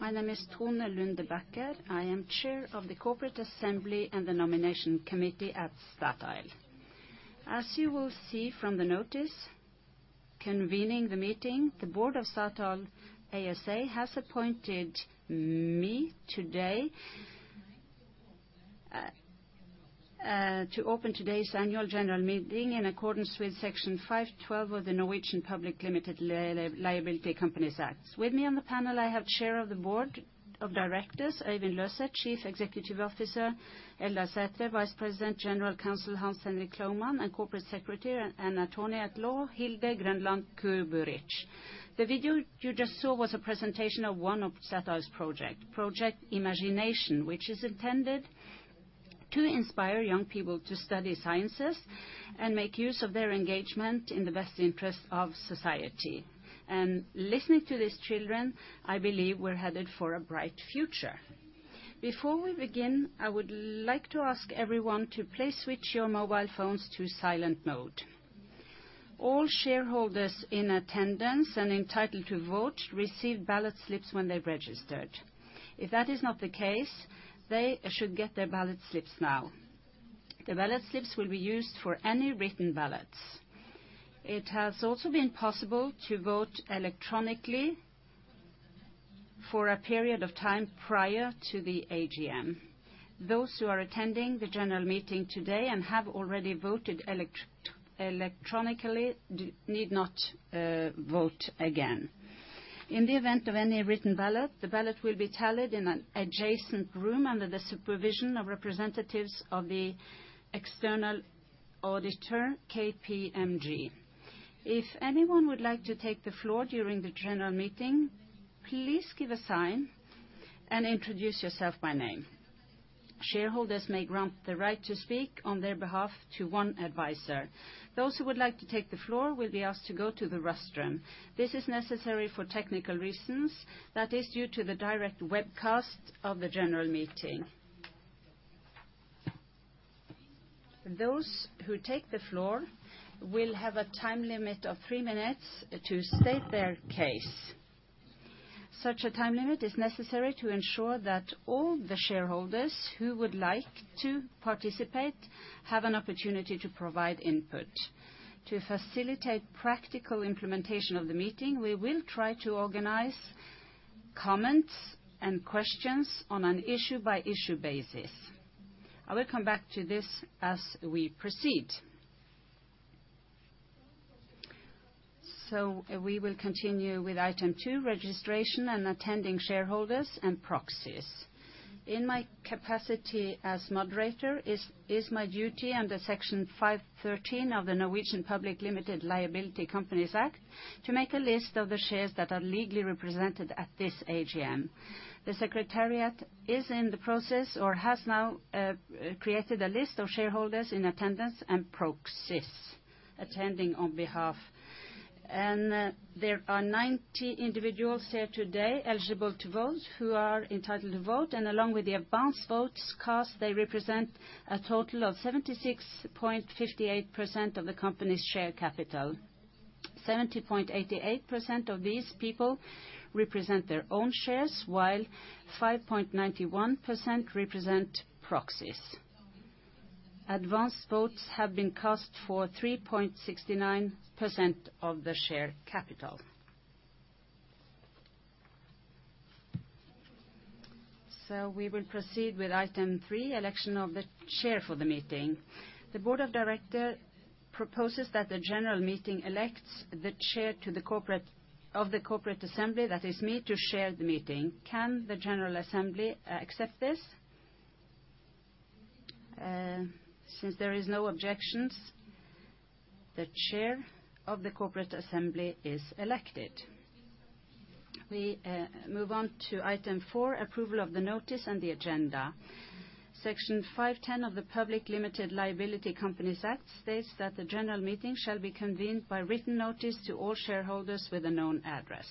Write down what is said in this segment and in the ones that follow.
.My name is Tone Lunde Bakker. I am Chair of the Corporate Assembly and the Nomination Committee at Statoil. As you will see from the notice convening the meeting, the Board of Statoil ASA has appointed me today to open today's Annual General Meeting in accordance with Section 512 of the Norwegian Public Limited Liability Companies Act. With me on the panel, I have Chair of the Board of Directors, Øystein Løseth, Chief Executive Officer, Eldar Sætre, Vice President General Counsel, Hans Henrik Klouman, and Corporate Secretary, and Attorney at Law, Hilde Grønland Kuburic. The video you just saw was a presentation of one of Statoil's project, Project Imagination, which is intended to inspire young people to study sciences and make use of their engagement in the best interest of society. Listening to these children, I believe we're headed for a bright future. Before we begin, I would like to ask everyone to please switch your mobile phones to silent mode. All Shareholders in attendance and entitled to vote receive ballot slips when they registered. If that is not the case, they should get their ballot slips now. The ballot slips will be used for any written ballots. It has also been possible to vote electronically for a period of time prior to the AGM. Those who are attending the General Meeting today and have already voted electronically need not vote again. In the event of any written ballot, the ballot will be tallied in an adjacent room under the supervision of representatives of the external auditor, KPMG. If anyone would like to take the floor during the General Meeting, please give a sign and introduce yourself by name. Shareholders may grant the right to speak on their behalf to one Advisor. Those who would like to take the floor will be asked to go to the restroom. This is necessary for technical reasons. That is due to the direct webcast of the General Meeting. Those who take the floor will have a time limit of three minutes to state their case. Such a time limit is necessary to ensure that all the Shareholders who would like to participate have an opportunity to provide input. To facilitate practical implementation of the meeting, we will try to organize comments and questions on an issue-by-issue basis. I will come back to this as we proceed. We will continue with Item 2, registration and attending Shareholders and proxies. In my capacity as moderator, it is my duty under Section 513 of the Norwegian Public Limited Liability Companies Act to make a list of the shares that are legally represented at this AGM. The Secretariat is in the process or has now created a list of Shareholders in attendance and proxies attending on behalf. There are 90 individuals here today eligible to vote, who are entitled to vote. Along with the advanced votes cast, they represent a total of 76.58% of the company's share capital. 70.88% of these people represent their own shares, while 5.91% represent proxies. Advanced votes have been cast for 3.69% of the share capital. We will proceed with Item 3, Election of the Chair for the Meeting. The Board of Directors proposes that the General Meeting elects the Chair of the Corporate Assembly, that is me, to Chair the meeting. Can the General Meeting accept this? Since there is no objections, the Chair of the Corporate Assembly is elected. We move on to Item 4, approval of the notice and the agenda. Section 5-10 of the Norwegian Public Limited Liability Companies Act states that the General Meeting shall be convened by written notice to all Shareholders with a known address.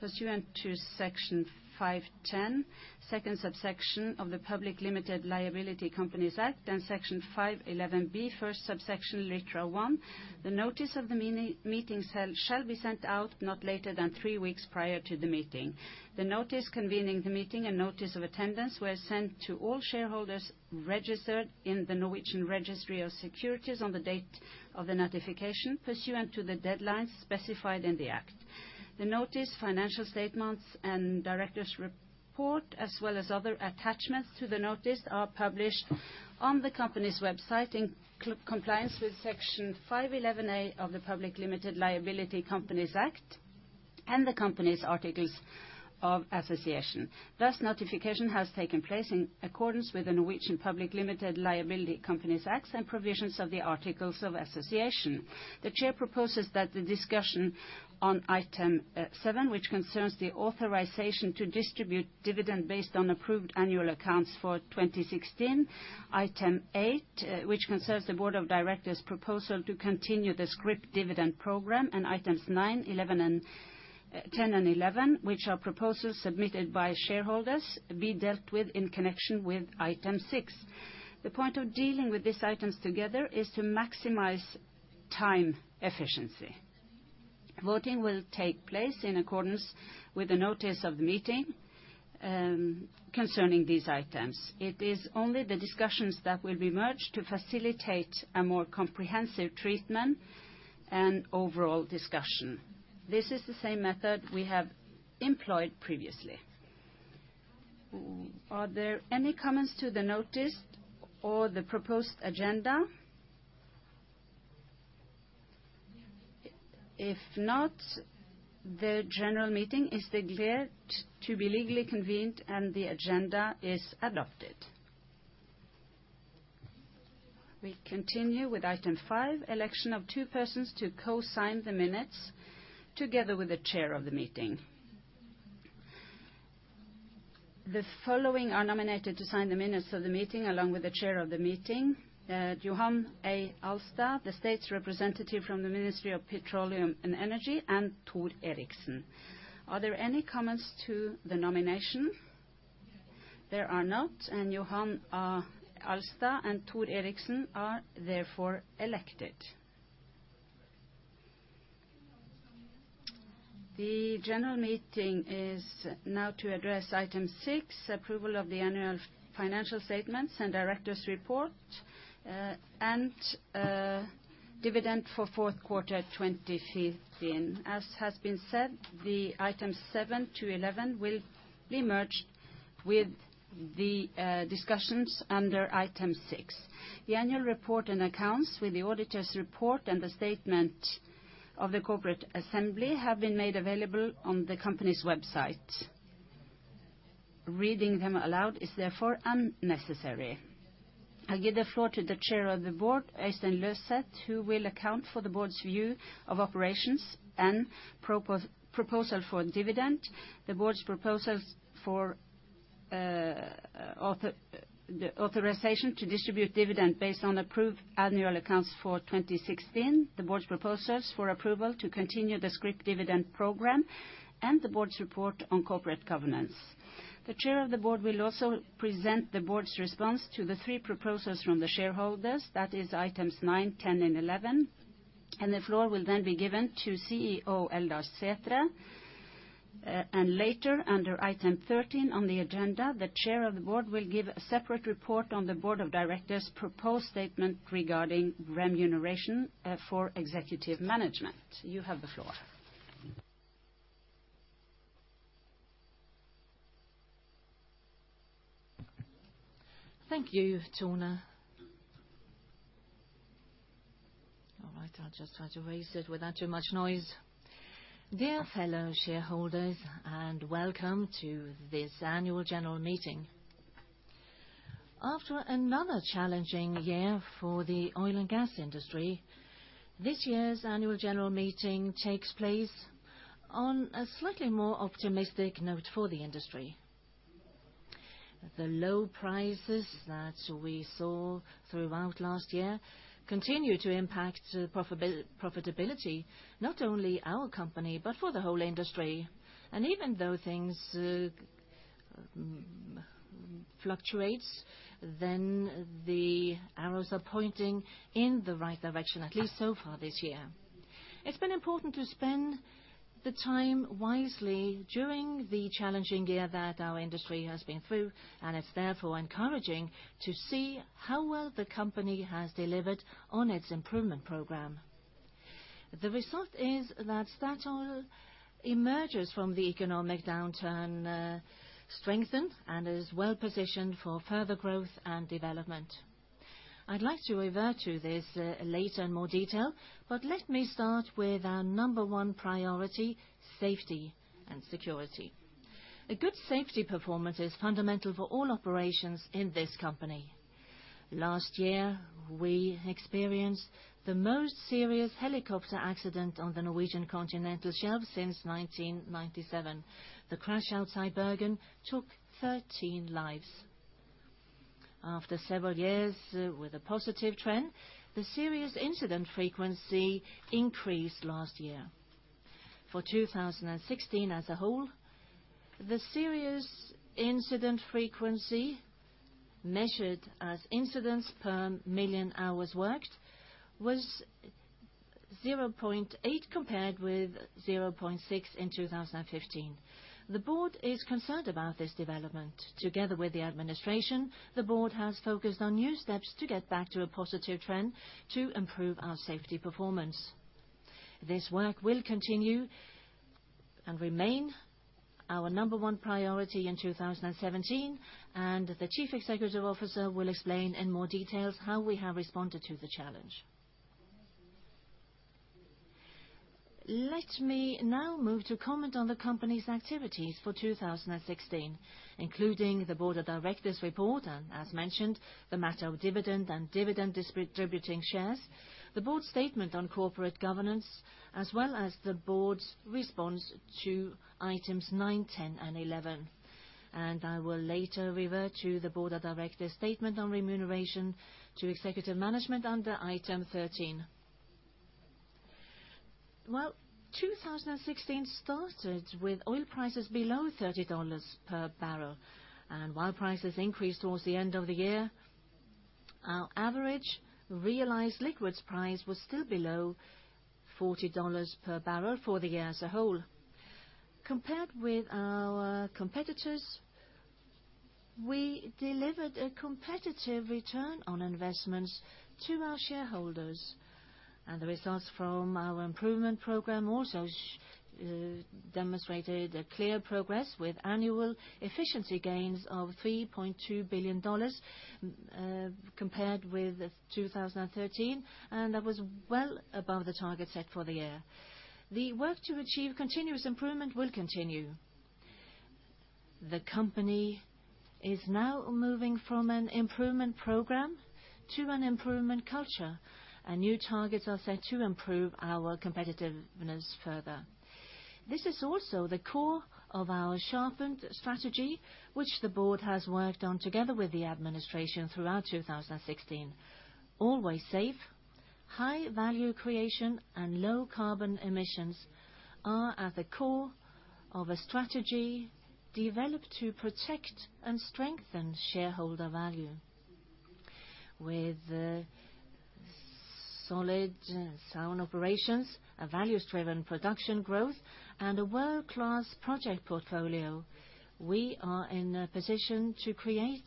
Pursuant to Section 5-10, second subsection of the Norwegian Public Limited Liability Companies Act and Section 5-11-B, first subsection, literal one, the notice of the meeting shall be sent out not later than three weeks prior to the meeting. The notice convening the meeting and notice of attendance were sent to all Shareholders registered in the Norwegian Registry of Securities on the date of the notification pursuant to the deadlines specified in the act. The notice, Financial statements, and Director's report, as well as other attachments to the notice, are published on the company's website in compliance with Section 5-11-A of the Norwegian Public Limited Liability Companies Act and the company's Articles of Association. Thus notification has taken place in accordance with the Norwegian Public Limited Liability Companies Act and Provisions of the Articles of Association. The Chair proposes that the discussion on Item 7, which concerns the authorization to distribute dividend based on approved Annual Accounts for 2016. Item 8, which Board of Directors' proposal to continue the scrip dividend program. and 10 and 11, which are proposals submitted by Shareholders, be dealt with in connection with Item 6. The point of dealing with these items together is to maximize time efficiency. Voting will take place in accordance with the notice of the meeting concerning these items. It is only the discussions that will be merged to facilitate a more comprehensive treatment and overall discussion. This is the same method we have employed previously. Are there any comments to the notice or the proposed agenda? If not, the General Meeting is declared to be legally convened, and the agenda is adopted. We continue with Item 5, election of two persons to co-sign the minutes together with the Chair of the meeting. The following are nominated to sign the minutes of the meeting along with the Chair of the Meeting, Johan A. Alstad. Alstad, the State's Representative from the Ministry of Petroleum and Energy, and Tor Eriksen. Are there any comments to the nomination? There are not, and Johan A. Alstad and Tor Eriksen are therefore elected. The General Meeting is now to address Item 6, approval of the Annual Financial Statements and Directors' Report, and dividend for fourth quarter 2015. As has been said, Items 7.11 will be merged with the discussions under Item 6. The Annual Report and Accounts with the Auditor's Report and the statement of the Corporate Assembly have been made available on the company's website. Reading them aloud is therefore unnecessary. I give the floor to the Chair of the Board, Øystein Løseth, who will account for the Board's view of Operations and Proposal for dividend, the Board's proposals for authorization to distribute dividend based on approved Annual Accounts for 2016, the Board's proposals for approval to continue the scrip dividend program, and the Board's report on corporate governance. The Chair of the Board will also present the Board's response to the three proposals from the Shareholders, that is Items 9, 10, and 11. The floor will then be given to CEO Eldar Sætre. Later, under Item 13 on the agenda, the Chair of the Board will give a separate report on the Board of Directors' proposed statement regarding remuneration for executive management. You have the floor. Thank you, Tone. All right, I'll just try to raise it without too much noise. Dear fellow Shareholders and welcome to this Annual General Meeting. After another challenging year for the oil and gas industry, this year's Annual General Meeting takes place on a slightly more optimistic note for the industry. The low prices that we saw throughout last year continue to impact the profitability, not only our company, but for the whole industry. Even though things fluctuates, then the arrows are pointing in the right direction, at least so far this year. It's been important to spend the time wisely during the challenging year that our industry has been through, and it's therefore encouraging to see how well the company has delivered on its improvement program. The result is that Statoil emerges from the economic downturn strengthened and is well-positioned for further growth and development. I'd like to revert to this later in more detail, but let me start with our number one priority, safety and security. A good safety performance is fundamental for all operations in this company. Last year, we experienced the most serious helicopter accident on the Norwegian Continental Shelf since 1997. The crash outside Bergen took 13 lives. After several years with a positive trend, the serious incident frequency increased last year. For 2016 as a whole, the serious incident frequency, measured as incidents per million hours worked, was 0.8 compared with 0.6 in 2015. The Board is concerned about this development. Together with the administration, the Board has focused on new steps to get back to a positive trend to improve our safety performance. This work will continue and remain our number one priority in 2017, and the Chief Executive Officer will explain in more details how we have responded to the challenge. Let me now move to comment on the company's activities for 2016, including the Board of Directors report and, as mentioned, the matter of dividend and dividend distributing shares, the Board's statement on corporate governance, as well as the Board's response to Items 9, 10, and 11. I will later revert to the Board of Directors' statement on remuneration to executive management under Item 13. Well, 2016 started with oil prices below $30 per barrel. While prices increased towards the end of the year, our average realized liquids price was still below $40 per barrel for the year as a whole. Compared with our competitors, we delivered a competitive return on investments to our Shareholders, and the results from our improvement program also demonstrated a clear progress with Annual efficiency gains of $3.2 billion, compared with 2013, and that was well above the target set for the year. The work to achieve continuous improvement will continue. The company is now moving from an improvement program to an improvement culture. New targets are set to improve our competitiveness further. This is also the core of our sharpened strategy, which the Board has worked on together with the Administration throughout 2016. Always safe, high value creation, and low carbon emissions are at the core of a strategy developed to protect and strengthen Shareholder value. With solid and sound operations, a values-driven production growth, and a world-class project portfolio, we are in a position to create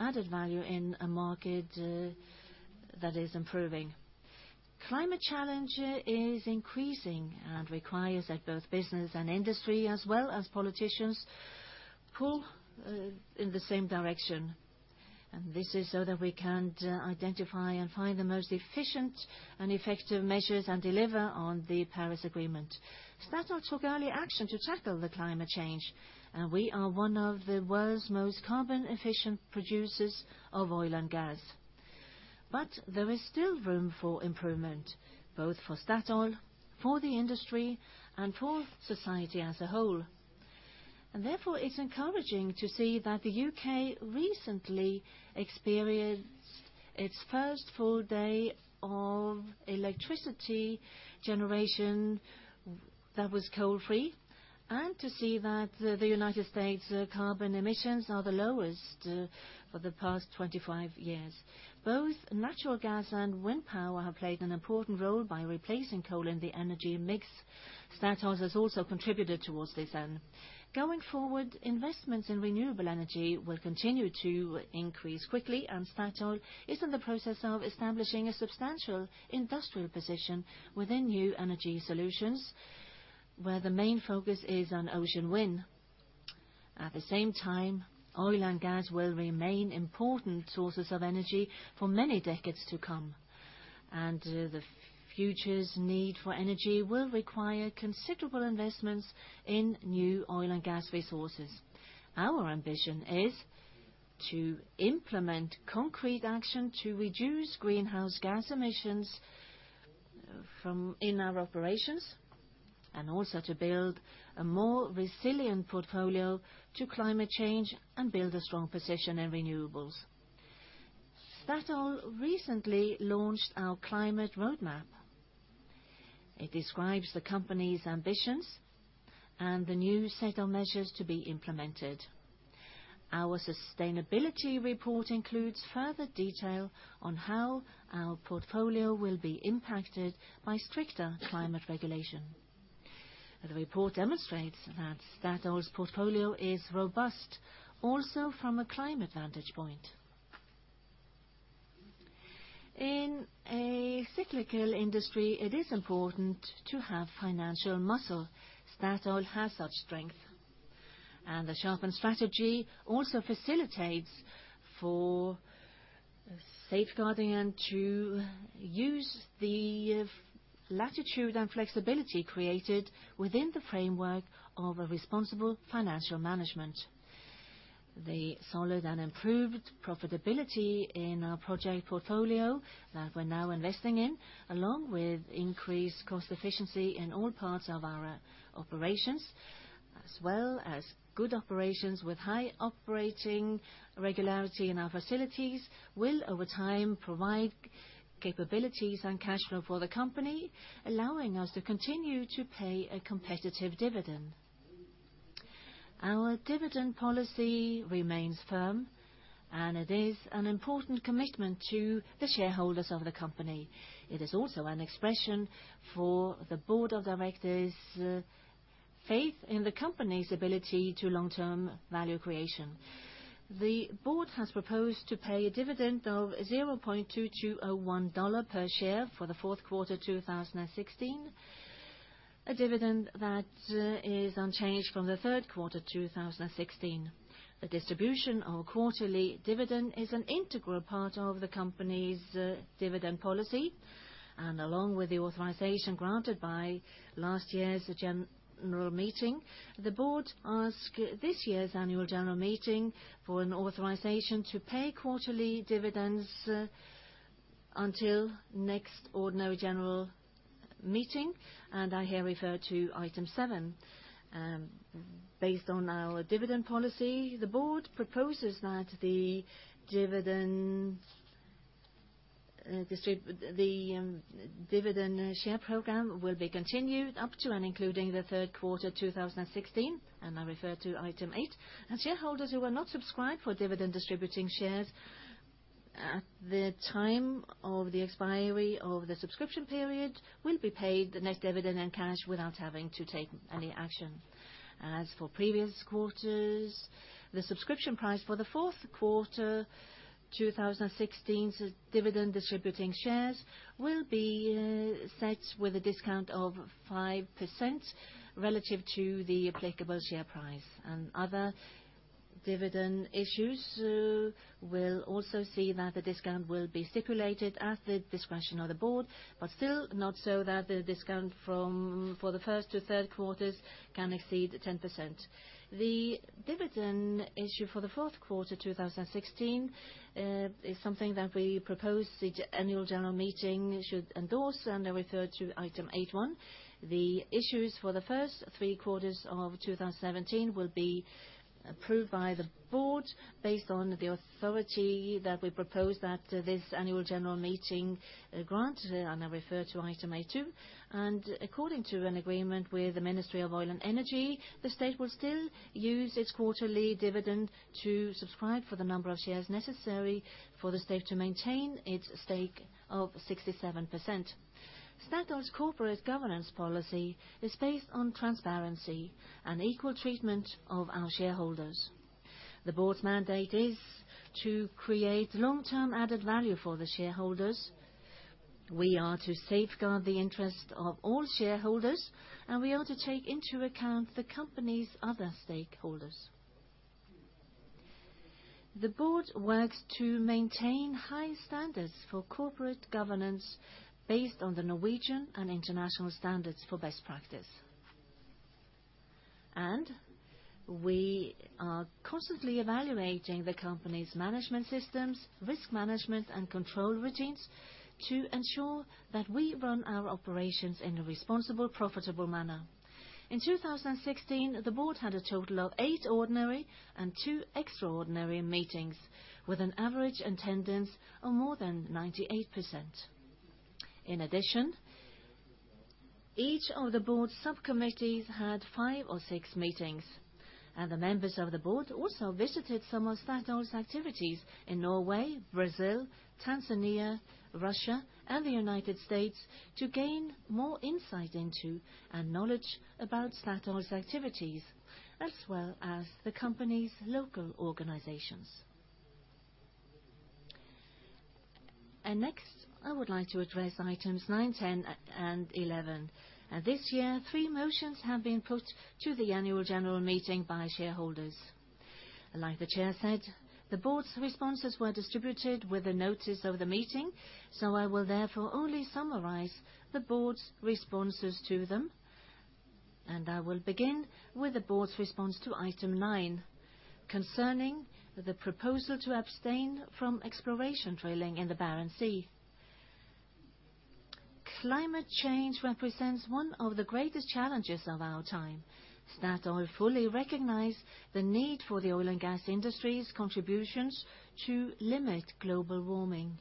added value in a market that is improving. Climate challenge is increasing and requires that both Business and Industry, as well as Politicians, pull in the same direction. This is so that we can identify and find the most efficient and effective measures and deliver on the Paris Agreement. Statoil took early action to tackle the climate change, and we are one of the world's most carbon efficient producers of Oil and Gas. There is still room for improvement, both for Statoil, for the industry, and for society as a whole. Therefore, it's encouraging to see that the U.K. recently experienced its first full day of electricity generation that was coal-free and to see that the United States' carbon emissions are the lowest for the past 25 years. Both natural gas and wind power have played an important role by replacing coal in the energy mix. Statoil has also contributed towards this end. Going forward, investments in renewable energy will continue to increase quickly, and Statoil is in the process of establishing a substantial industrial position within new energy solutions, where the main focus is on ocean wind. At the same time, oil and gas will remain important sources of energy for many decades to come. The future's need for energy will require considerable investments in new oil and gas resources. Our ambition is to implement concrete action to reduce greenhouse gas emissions from our operations and also to build a more resilient portfolio to climate change and build a strong position in renewables. Statoil recently launched our climate roadmap. It describes the company's ambitions and the new set of measures to be implemented. Our sustainability report includes further detail on how our portfolio will be impacted by stricter climate regulation. The report demonstrates that Statoil's portfolio is robust also from a climate vantage point. In a cyclical industry, it is important to have financial muscle. Statoil has such strength. The sharpened strategy also facilitates for safeguarding and to use the latitude and flexibility created within the framework of a responsible financial management. The solid and improved profitability in our project portfolio that we're now investing in, along with increased cost efficiency in all parts of our operations as well as good operations with high operating regularity in our facilities, will over time provide capabilities and cash flow for the company, allowing us to continue to pay a competitive dividend. Our dividend policy remains firm, and it is an important commitment to the Shareholders of the company. It is also an expression for the Board of Directors' faith in the company's ability to create long-term value. The Board has proposed to pay a dividend of $0.2201 per share for the fourth quarter 2016, a dividend that is unchanged from the third quarter 2016. The distribution of quarterly dividend is an integral part of the company's dividend policy. Along with the authorization granted by last year's General Meeting, the Board ask this year's Annual General Meeting for an authorization to pay quarterly dividends until next ordinary General Meeting, and I here refer to Item 7. Based on our dividend policy, the Board proposes that the dividend share program will be continued up to and including the third quarter 2016. I refer to Item 8. Shareholders who will not subscribe for dividend distributing shares at the time of the expiry of the Subscription period will be paid the next dividend in cash without having to take any action. As for previous quarters, the Subscription price for the fourth quarter 2016's dividend distributing shares will be set with a discount of 5% relative to the applicable share price. Other dividend issues will also see that the discount will be circulated at the discretion of the Board, but still not so that the discount for the first to third quarters can exceed 10%. The dividend issue for the fourth quarter 2016 is something that we propose the Annual General Meeting should endorse, and I refer to Item 8.1. The issues for the first three quarters of 2017 will be approved by the Board based on the authority that we propose that this Annual General Meeting grant, and I refer to item 8.2. According to an agreement with the Ministry of Petroleum and Energy, the state will still use its quarterly dividend to subscribe for the number of shares necessary for the state to maintain its stake of 67%. Statoil's Corporate Governance policy is based on transparency and equal treatment of our Shareholders. The Board's mandate is to create long-term added value for the Shareholders. We are to safeguard the interest of all Shareholders, and we are to take into account the company's other Stakeholders. The Board works to maintain high standards for Corporate Governance based on the Norwegian and International standards for best practice. We are constantly evaluating the company's management systems, risk management, and control routines to ensure that we run our operations in a responsible, profitable manner. In 2016, the Board had a total of eight ordinary and two extraordinary meetings, with an average attendance of more than 98%. In addition, each of the Board's subcommittees had five or six meetings, and the members of the Board also visited some of Statoil's activities in Norway, Brazil, Tanzania, Russia, and the United States to gain more insight into and knowledge about Statoil's activities, as well as the company's local organizations. Next, I would like to address Items 9, 10, and 11. This year, three motions have been put to the Annual General Meeting by Shareholders. Like the Chair said, the Board's responses were distributed with the notice of the meeting, so I will therefore only summarize the Board's responses to them. I will begin with the Board's response to Item 9, concerning the Proposal to Abstain from exploration drilling in the Barents Sea. Climate change represents one of the greatest challenges of our time. Statoil fully recognizes the need for the oil and gas industry's contributions to limit global warming.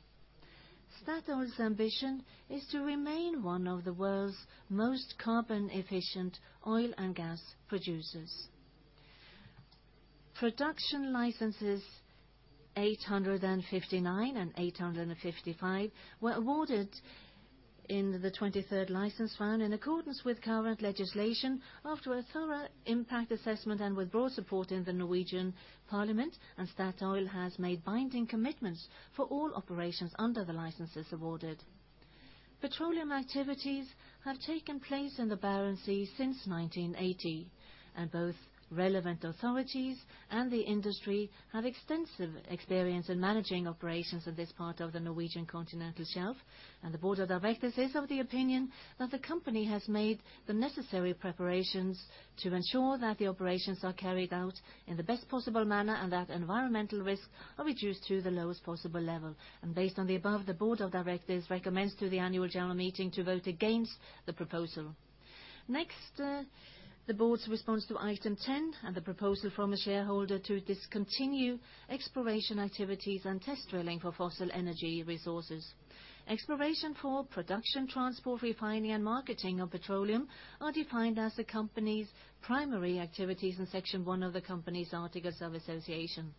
Statoil's ambition is to remain one of the world's most carbon-efficient oil and gas producers. Production licenses 859 and 855 were awarded in the 23rd license round in accordance with current Legislation after a thorough impact assessment and with Broad support in the Norwegian Parliament, and Statoil has made binding commitments for all operations under the licenses awarded. Petroleum activities have taken place in the Barents Sea since 1980, and both relevant authorities and the industry have extensive experience in managing operations in this part of the Norwegian continental shelf. The Board of Directors is of the opinion that the company has made the necessary preparations to ensure that the operations are carried out in the best possible manner and that environmental risks are reduced to the lowest possible level. Based on the above, the Board of Directors recommends to the Annual General Meeting to vote against the proposal. Next, the Board's response to Item 10 and the proposal from a Shareholder to discontinue exploration activities and test drilling for fossil energy resources. Exploration for production, transport, refining, and marketing of petroleum are defined as the company's primary activities in section one of the company's Articles of Association.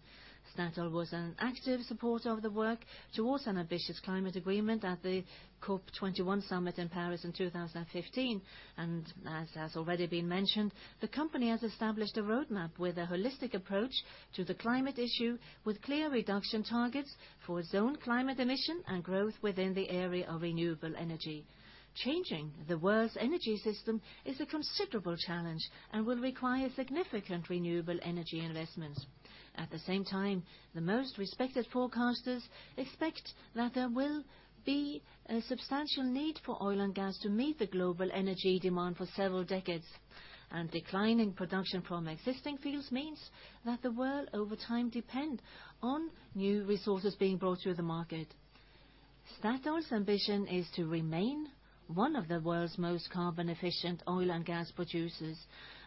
Statoil was an active supporter of the work towards an ambitious climate agreement at the COP21 Summit in Paris in 2015. As has already been mentioned, the company has established a roadmap with a holistic approach to the climate issue with clear reduction targets for its own climate emission and growth within the area of renewable energy. Changing the world's energy system is a considerable challenge and will require significant renewable energy investments. At the same time, the most respected forecasters expect that there will be a substantial need for oil and gas to meet the global energy demand for several decades. Declining production from existing fields means that the world over time depend on new resources being brought to the market. Statoil's ambition is to remain one of the world's most carbon efficient oil and gas producers,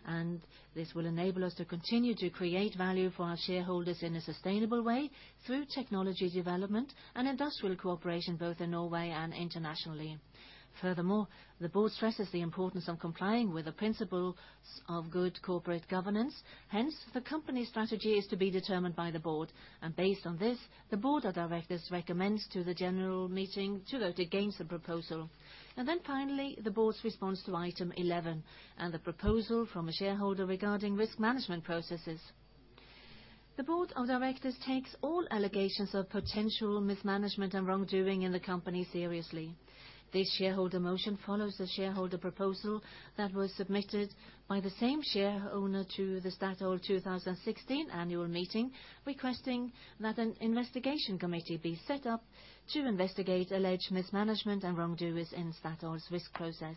and this will enable us to continue to create value for our Shareholders in a sustainable way through technology development and industrial cooperation, both in Norway and Internationally. Furthermore, the Board stresses the importance of complying with the principles of good corporate governance. Hence, the company strategy is to be determined by the Board. Based on this, the Board of Directors recommends to the General Meeting to vote against the proposal. Finally, the Board's response to Item 11 and the proposal from a Shareholder regarding risk management processes. The Board of Directors takes all allegations of potential mismanagement and wrongdoing in the company seriously. This Shareholder motion follows the Shareholder proposal that was submitted by the same Shareholder to the Statoil 2016 Annual Meeting, requesting that an Investigation Committee be set up to investigate alleged mismanagement and wrongdoings in Statoil's risk process.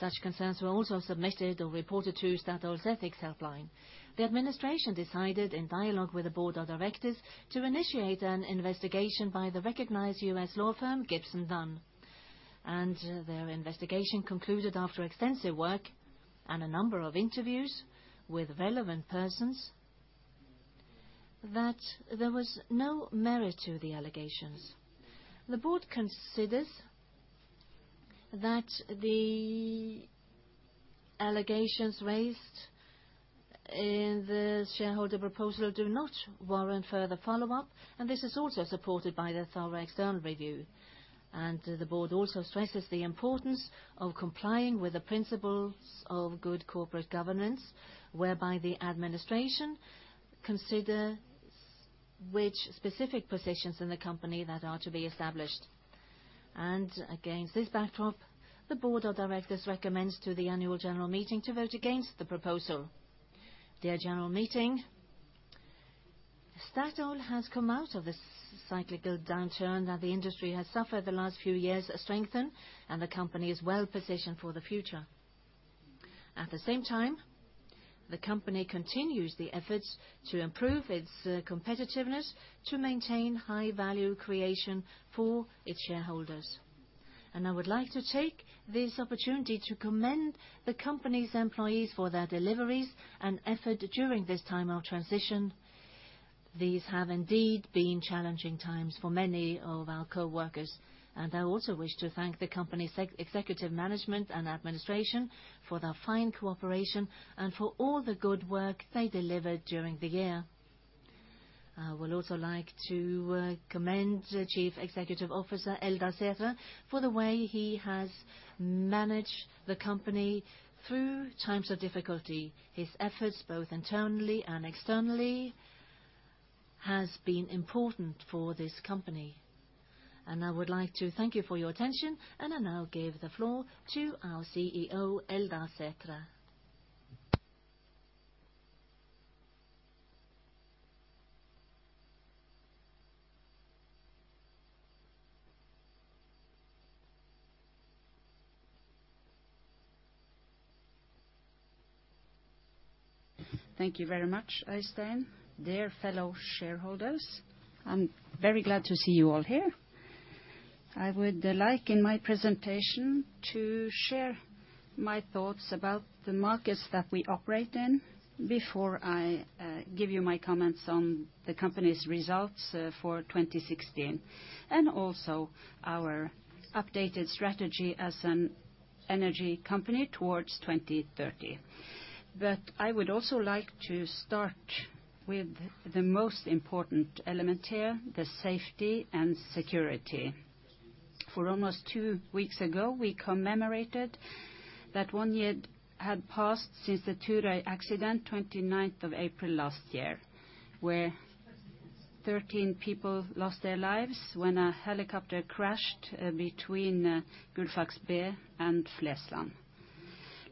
Such concerns were also submitted or reported to Statoil's ethics helpline. The administration decided in dialogue with the Board of Directors to initiate an investigation by the recognized U.S. Law Firm Gibson, Dunn & Crutcher. Their investigation concluded after extensive work and a number of interviews with relevant persons that there was no merit to the allegations. The Board considers that the allegations raised in the Shareholder proposal do not warrant further follow-up, and this is also supported by the thorough external review. The Board also stresses the importance of complying with the principles of good corporate governance, whereby the administration considers which specific positions in the company that are to be established. Against this backdrop, the Board of Directors recommends to the Annual General Meeting to vote against the proposal. The General Meeting, Statoil has come out of this cyclical downturn that the industry has suffered the last few years strengthened, and the company is well-positioned for the future. At the same time, the company continues the efforts to improve its competitiveness to maintain high value creation for its Shareholders. I would like to take this opportunity to commend the company's employees for their deliveries and effort during this time of transition. These have indeed been challenging times for many of our coworkers. I also wish to thank the company's ex-executive management and administration for their fine cooperation and for all the good work they delivered during the year. I would also like to commend Chief Executive Officer Eldar Sætre for the way he has managed the company through times of difficulty. His efforts both internally and externally has been important for this company. I would like to thank you for your attention, and I now give the floor to our CEO, Eldar Sætre. Thank you very much, Øystein. Dear fellow Shareholders, I'm very glad to see you all here. I would like in my presentation to share my thoughts about the markets that we operate in before I give you my comments on the company's results for 2016 and also our updated strategy as an energy company towards 2030. I would also like to start with the most important element here, the safety and security. It was almost two weeks ago, we commemorated that one year had passed since the Turøy accident, 29th of April last year, where 13 people lost their lives when a helicopter crashed between Gullfaks B and Flesland.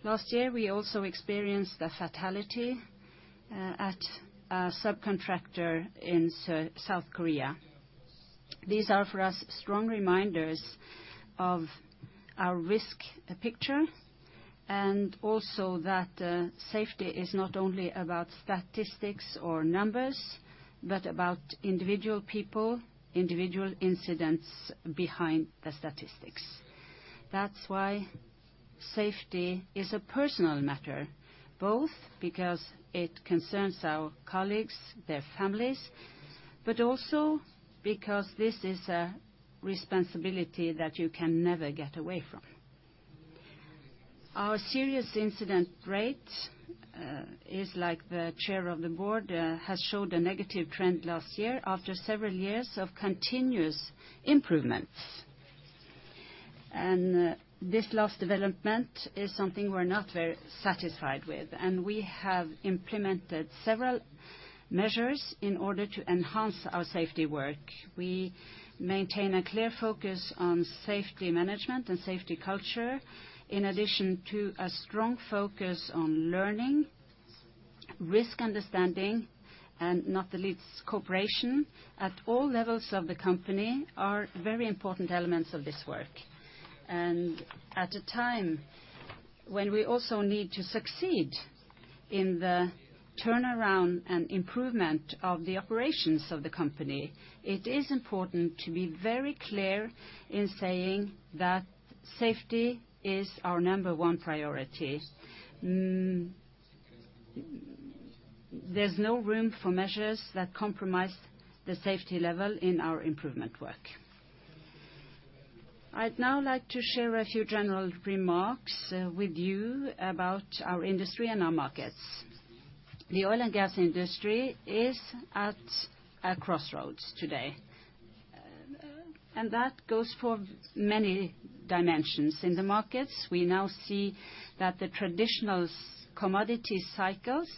Last year, we also experienced a fatality at a subcontractor in South Korea. These are for us strong reminders of our risk picture and also that safety is not only about statistics or numbers, but about individual people, individual incidents behind the statistics. That's why safety is a personal matter, both because it concerns our colleagues, their families, but also because this is a responsibility that you can never get away from. Our serious incident rate, as the Chair of the Board has shown, a negative trend last year after several years of continuous improvements. This last development is something we're not very satisfied with, and we have implemented several measures in order to enhance our safety work. We maintain a clear focus on safety management and safety culture in addition to a strong focus on learning, risk understanding, and not least cooperation at all levels of the company are very important elements of this work. At a time when we also need to succeed in the turnaround and improvement of the operations of the company, it is important to be very clear in saying that safety is our number one priority. There's no room for measures that compromise the safety level in our improvement work. I'd now like to share a few general remarks with you about our industry and our markets. The oil and gas industry is at a crossroads today. That goes for many dimensions. In the markets, we now see that the traditional commodity cycles,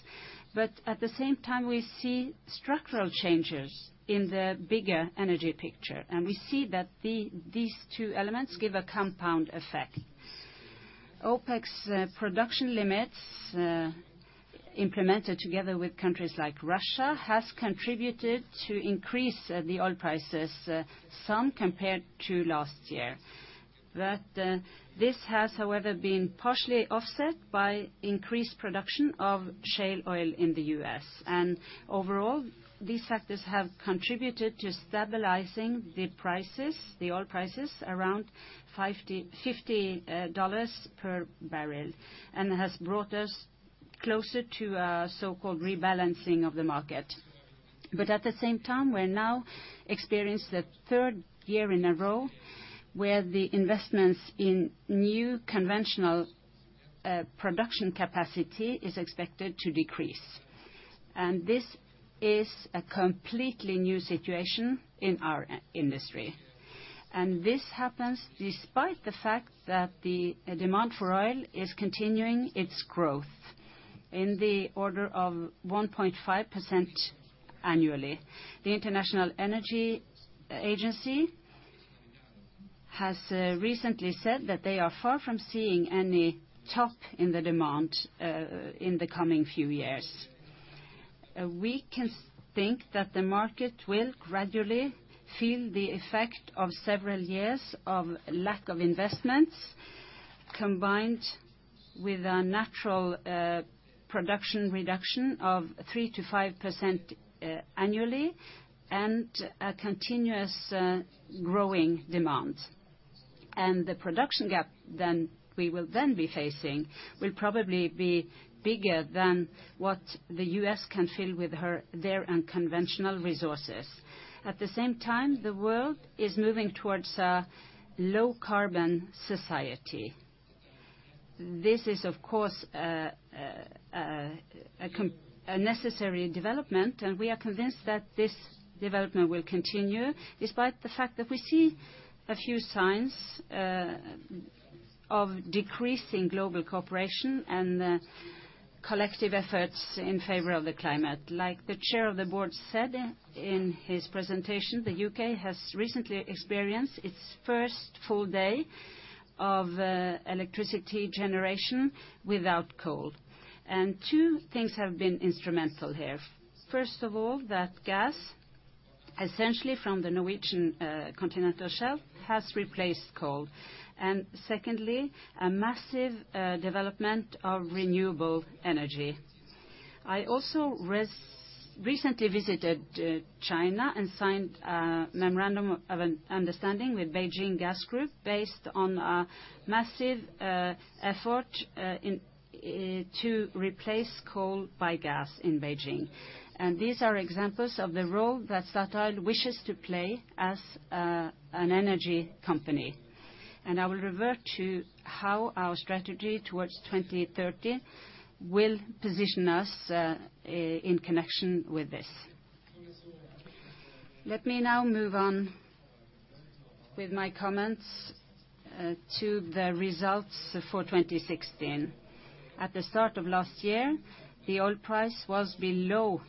but at the same time, we see structural changes in the bigger energy picture. We see that these two elements give a compound effect. OPEC's production limits, implemented together with countries like Russia, has contributed to increase the oil prices some compared to last year. This has, however, been partially offset by increased production of shale oil in the U.S. Overall, these factors have contributed to stabilizing the prices, the oil prices around $50 per barrel. Has brought us closer to a so-called rebalancing of the market. At the same time, we're now experiencing the third year in a row where the investments in new conventional production capacity are expected to decrease. This is a completely new situation in our industry. This happens despite the fact that the demand for oil is continuing its growth in the order of 1.5% Annually. The International Energy Agency has recently said that they are far from seeing any top in the demand in the coming few years. We can think that the market will gradually feel the effect of several years of lack of investments, combined with a natural production reduction of 3%-5% Annually, and a continuous growing demand. The production gap we will be facing will probably be bigger than what the U.S. can fill with her, their unconventional resources. At the same time, the world is moving towards a low-carbon society. This is, of course, a necessary development, and we are convinced that this development will continue despite the fact that we see a few signs of decreasing global cooperation and collective efforts in favor of the climate. Like the Chair of the Board said in his presentation, the U.K. has recently experienced its first full day of electricity generation without coal. Two things have been instrumental here. First of all, that gas, essentially from the Norwegian continental shelf, has replaced coal. Secondly, a massive development of renewable energy. I also recently visited China and signed a memorandum of understanding with Beijing Gas Group based on a massive effort into replace coal by gas in Beijing. These are examples of the role that Statoil wishes to play as an energy company. I will revert to how our strategy towards 2030 will position us in connection with this. Let me now move on with my comments to the results for 2016. At the start of last year, the oil price was below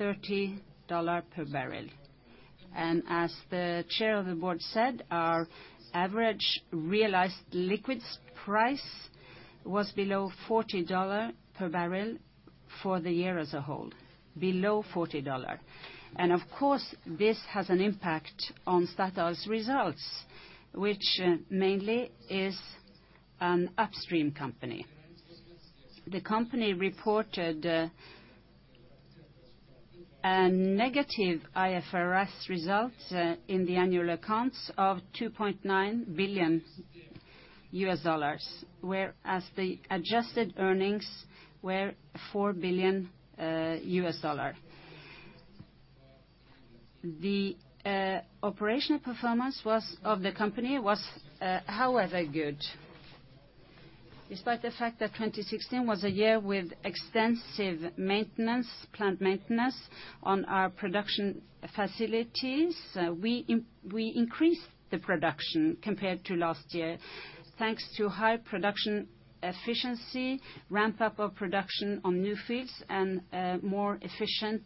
$30 per barrel. As the Chair of the Board said, our average realized liquids price was below $40 per barrel for the year as a whole, below $40. Of course, this has an impact on Statoil's results, which mainly is an upstream company. The company reported a negative IFRS result in the Annual accounts of $2.9 billion, whereas the adjusted earnings were $4 billion. The operational performance of the company was, however, good. Despite the fact that 2016 was a year with extensive maintenance, plant maintenance on our production facilities, we increased the production compared to last year, thanks to high production efficiency, ramp up of production on new fields, and more efficient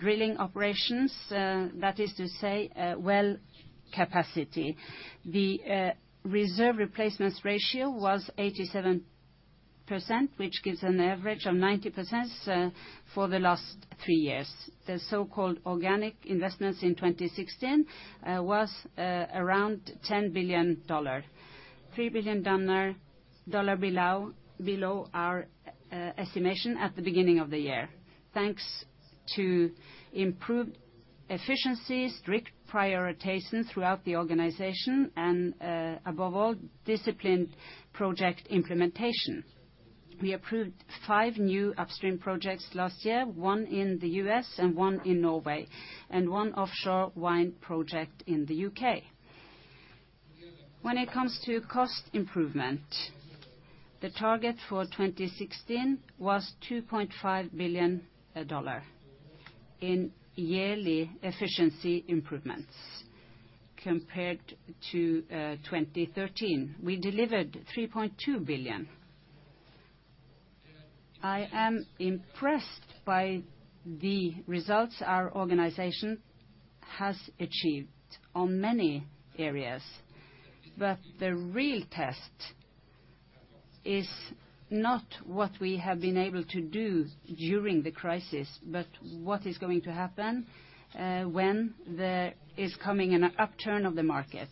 drilling operations, that is to say, well capacity. The reserve replacement ratio was 87%, which gives an average of 90% for the last three years. The so-called organic investments in 2016 was around $10 billion. $3 billion below our estimation at the beginning of the year. Thanks to improved efficiency, strict prioritization throughout the organization, and above all, disciplined project implementation. We approved five new upstream projects last year, one in the U.S. and one in Norway, and 1 offshore wind project in the U.K. When it comes to cost improvement, the target for 2016 was $2.5 billion in yearly efficiency improvements compared to 2013. We delivered $3.2 billion. I am impressed by the results our organization has achieved on many areas. The real test is not what we have been able to do during the crisis, but what is going to happen when there is coming an upturn of the market.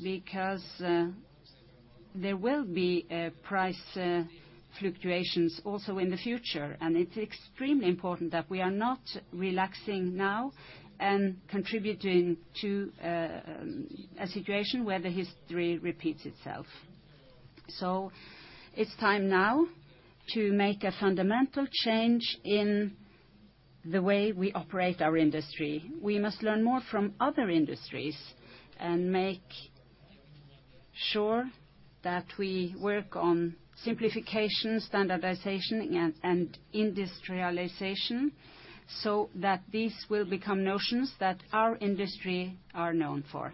There will be price fluctuations also in the future, and it's extremely important that we are not relaxing now and contributing to a situation where the history repeats itself. It's time now to make a fundamental change in the way we operate our industry. We must learn more from other industries and make sure that we work on simplification, standardization, and industrialization, so that these will become notions that our industry are known for.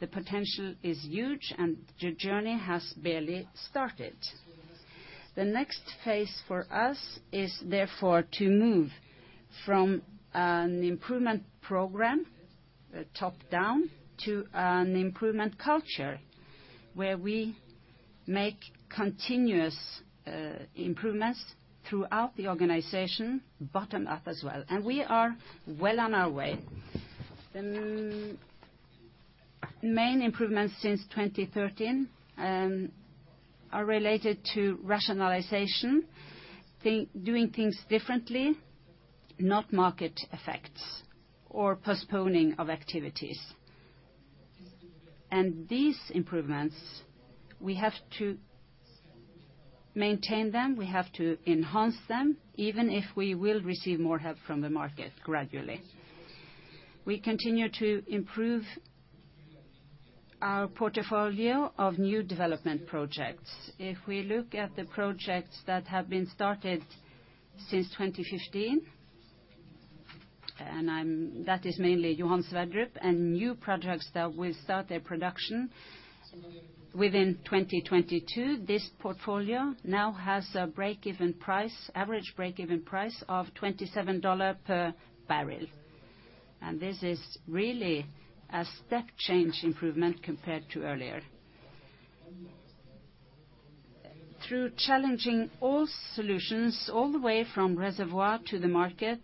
The potential is huge, and the journey has barely started. The next phase for us is therefore to move from an improvement program, top-down, to an improvement culture, where we make continuous, improvements throughout the organization, bottom-up as well. We are well on our way. The main improvements since 2013 are related to rationalization, doing things differently, not market effects or postponing of activities. These improvements, we have to maintain them, we have to enhance them, even if we will receive more help from the market gradually. We continue to improve our portfolio of new development projects. If we look at the projects that have been started since 2015, that is mainly Johan Sverdrup and new projects that will start their production within 2022. This portfolio now has a break-even price, average break-even price of $27 per barrel. This is really a step change improvement compared to earlier. Through challenging all solutions all the way from reservoir to the market,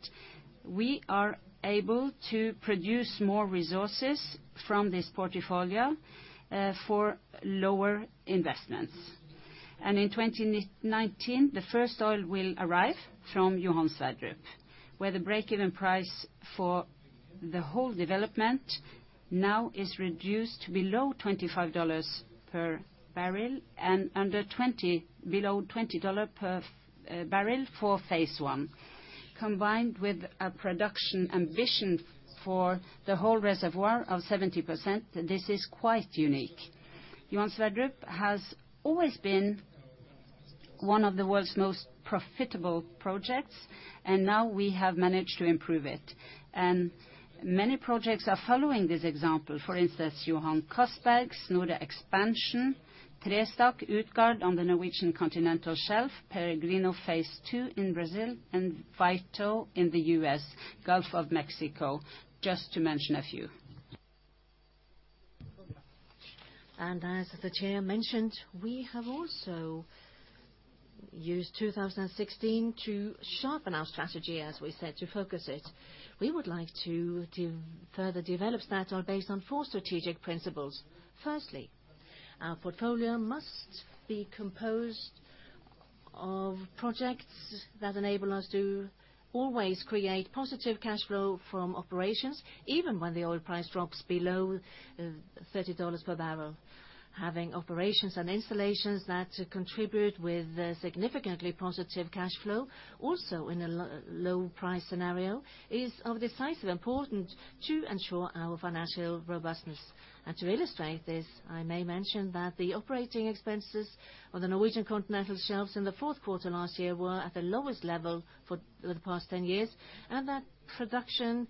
we are able to produce more resources from this portfolio, for lower investments. In 2019, the first oil will arrive from Johan Sverdrup, where the break-even price for the whole development now is reduced below $25 per barrel, and below $20 per barrel for phase I. Combined with a production ambition for the whole reservoir of 70%, this is quite unique. Johan Sverdrup has always been one of the world's most profitable projects, and now we have managed to improve it. Many projects are following this example. For instance, Johan Castberg, Snøhvit Expansion, Trestakk, Utgard on the Norwegian Continental Shelf, Peregrino Phase II in Brazil, and Vito in the U.S., Gulf of Mexico, just to mention a few. As the Chair mentioned, we have also used 2016 to sharpen our strategy, as we said, to focus it. We would like to further develop that or based on four strategic principles. Firstly, our portfolio must be composed of projects that enable us to always create positive cash flow from operations, even when the oil price drops below $30 per barrel. Having operations and installations that contribute with significantly positive cash flow, also in a low price scenario, is of decisive importance to ensure our financial robustness. To illustrate this, I may mention that the operating expenses of the Norwegian Continental Shelf in the fourth quarter last year were at the lowest level for the past 10 years, and that production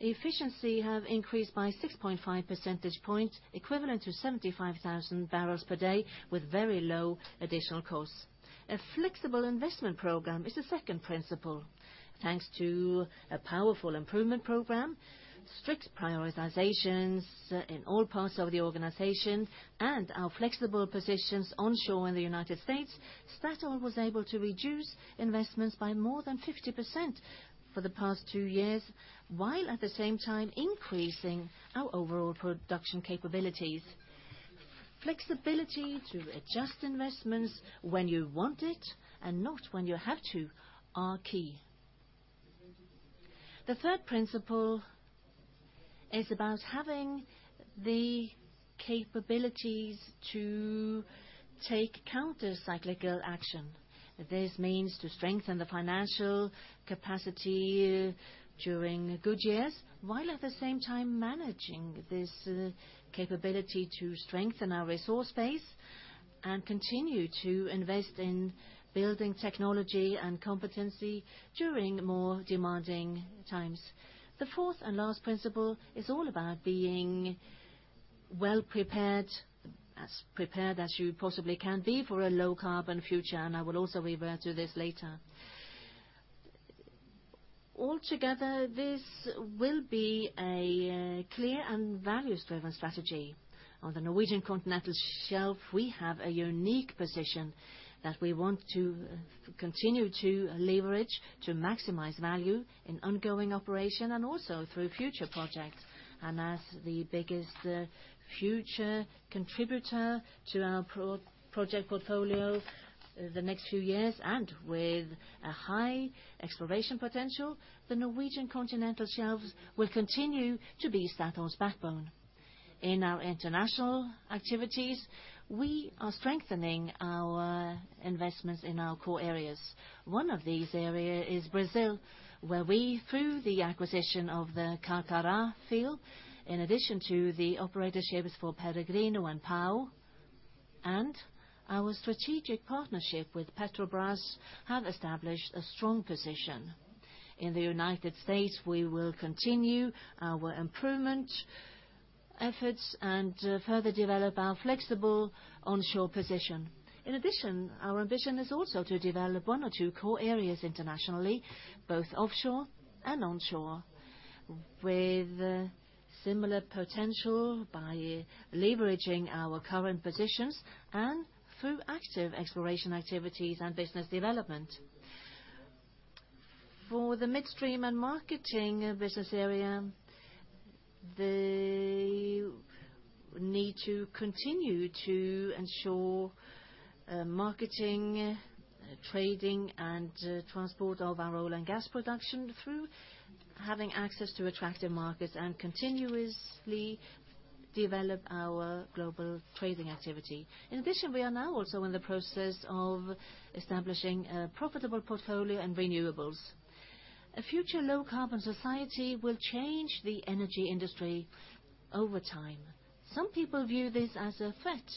efficiency have increased by 6.5 percentage points, equivalent to 75,000 barrels per day with very low additional costs. A flexible investment program is the second principle. Thanks to a powerful improvement program, strict prioritizations in all parts of the organization, and our flexible positions onshore in the United States, Statoil was able to reduce investments by more than 50% for the past two years, while at the same time increasing our overall production capabilities. Flexibility to adjust investments when you want it and not when you have to are key. The third principle is about having the capabilities to take counter-cyclical action. This means to strengthen the financial capacity during good years, while at the same time managing this capability to strengthen our resource base and continue to invest in building technology and competency during more demanding times. The fourth and last principle is all about being well-prepared, as prepared as you possibly can be for a low-carbon future. I will also refer to this later. All together, this will be a clear and value-driven strategy. On the Norwegian Continental Shelf, we have a unique position that we want to continue to leverage to maximize value in ongoing operation and also through future projects. As the biggest future contributor to our project portfolio the next few years, and with a high exploration potential, the Norwegian Continental Shelf will continue to be Statoil's backbone. In our international activities, we are strengthening our investments in our core areas. One of these area is Brazil, where we, through the acquisition of the Carcará field, in addition to the operatorships for Peregrino and Pão, and our strategic partnership with Petrobras, have established a strong position. In the United States, we will continue our improvement efforts and further develop our flexible onshore position. In addition, our ambition is also to develop one or two core areas internationally, both offshore and onshore, with similar potential by leveraging our current positions and through active exploration activities and business development. For the midstream and marketing business area, they need to continue to ensure marketing, trading, and transport of our oil and gas production through having access to attractive markets and continuously develop our global trading activity. In addition, we are now also in the process of establishing a profitable portfolio in renewables. A future low-carbon society will change the energy industry over time. Some people view this as a threat,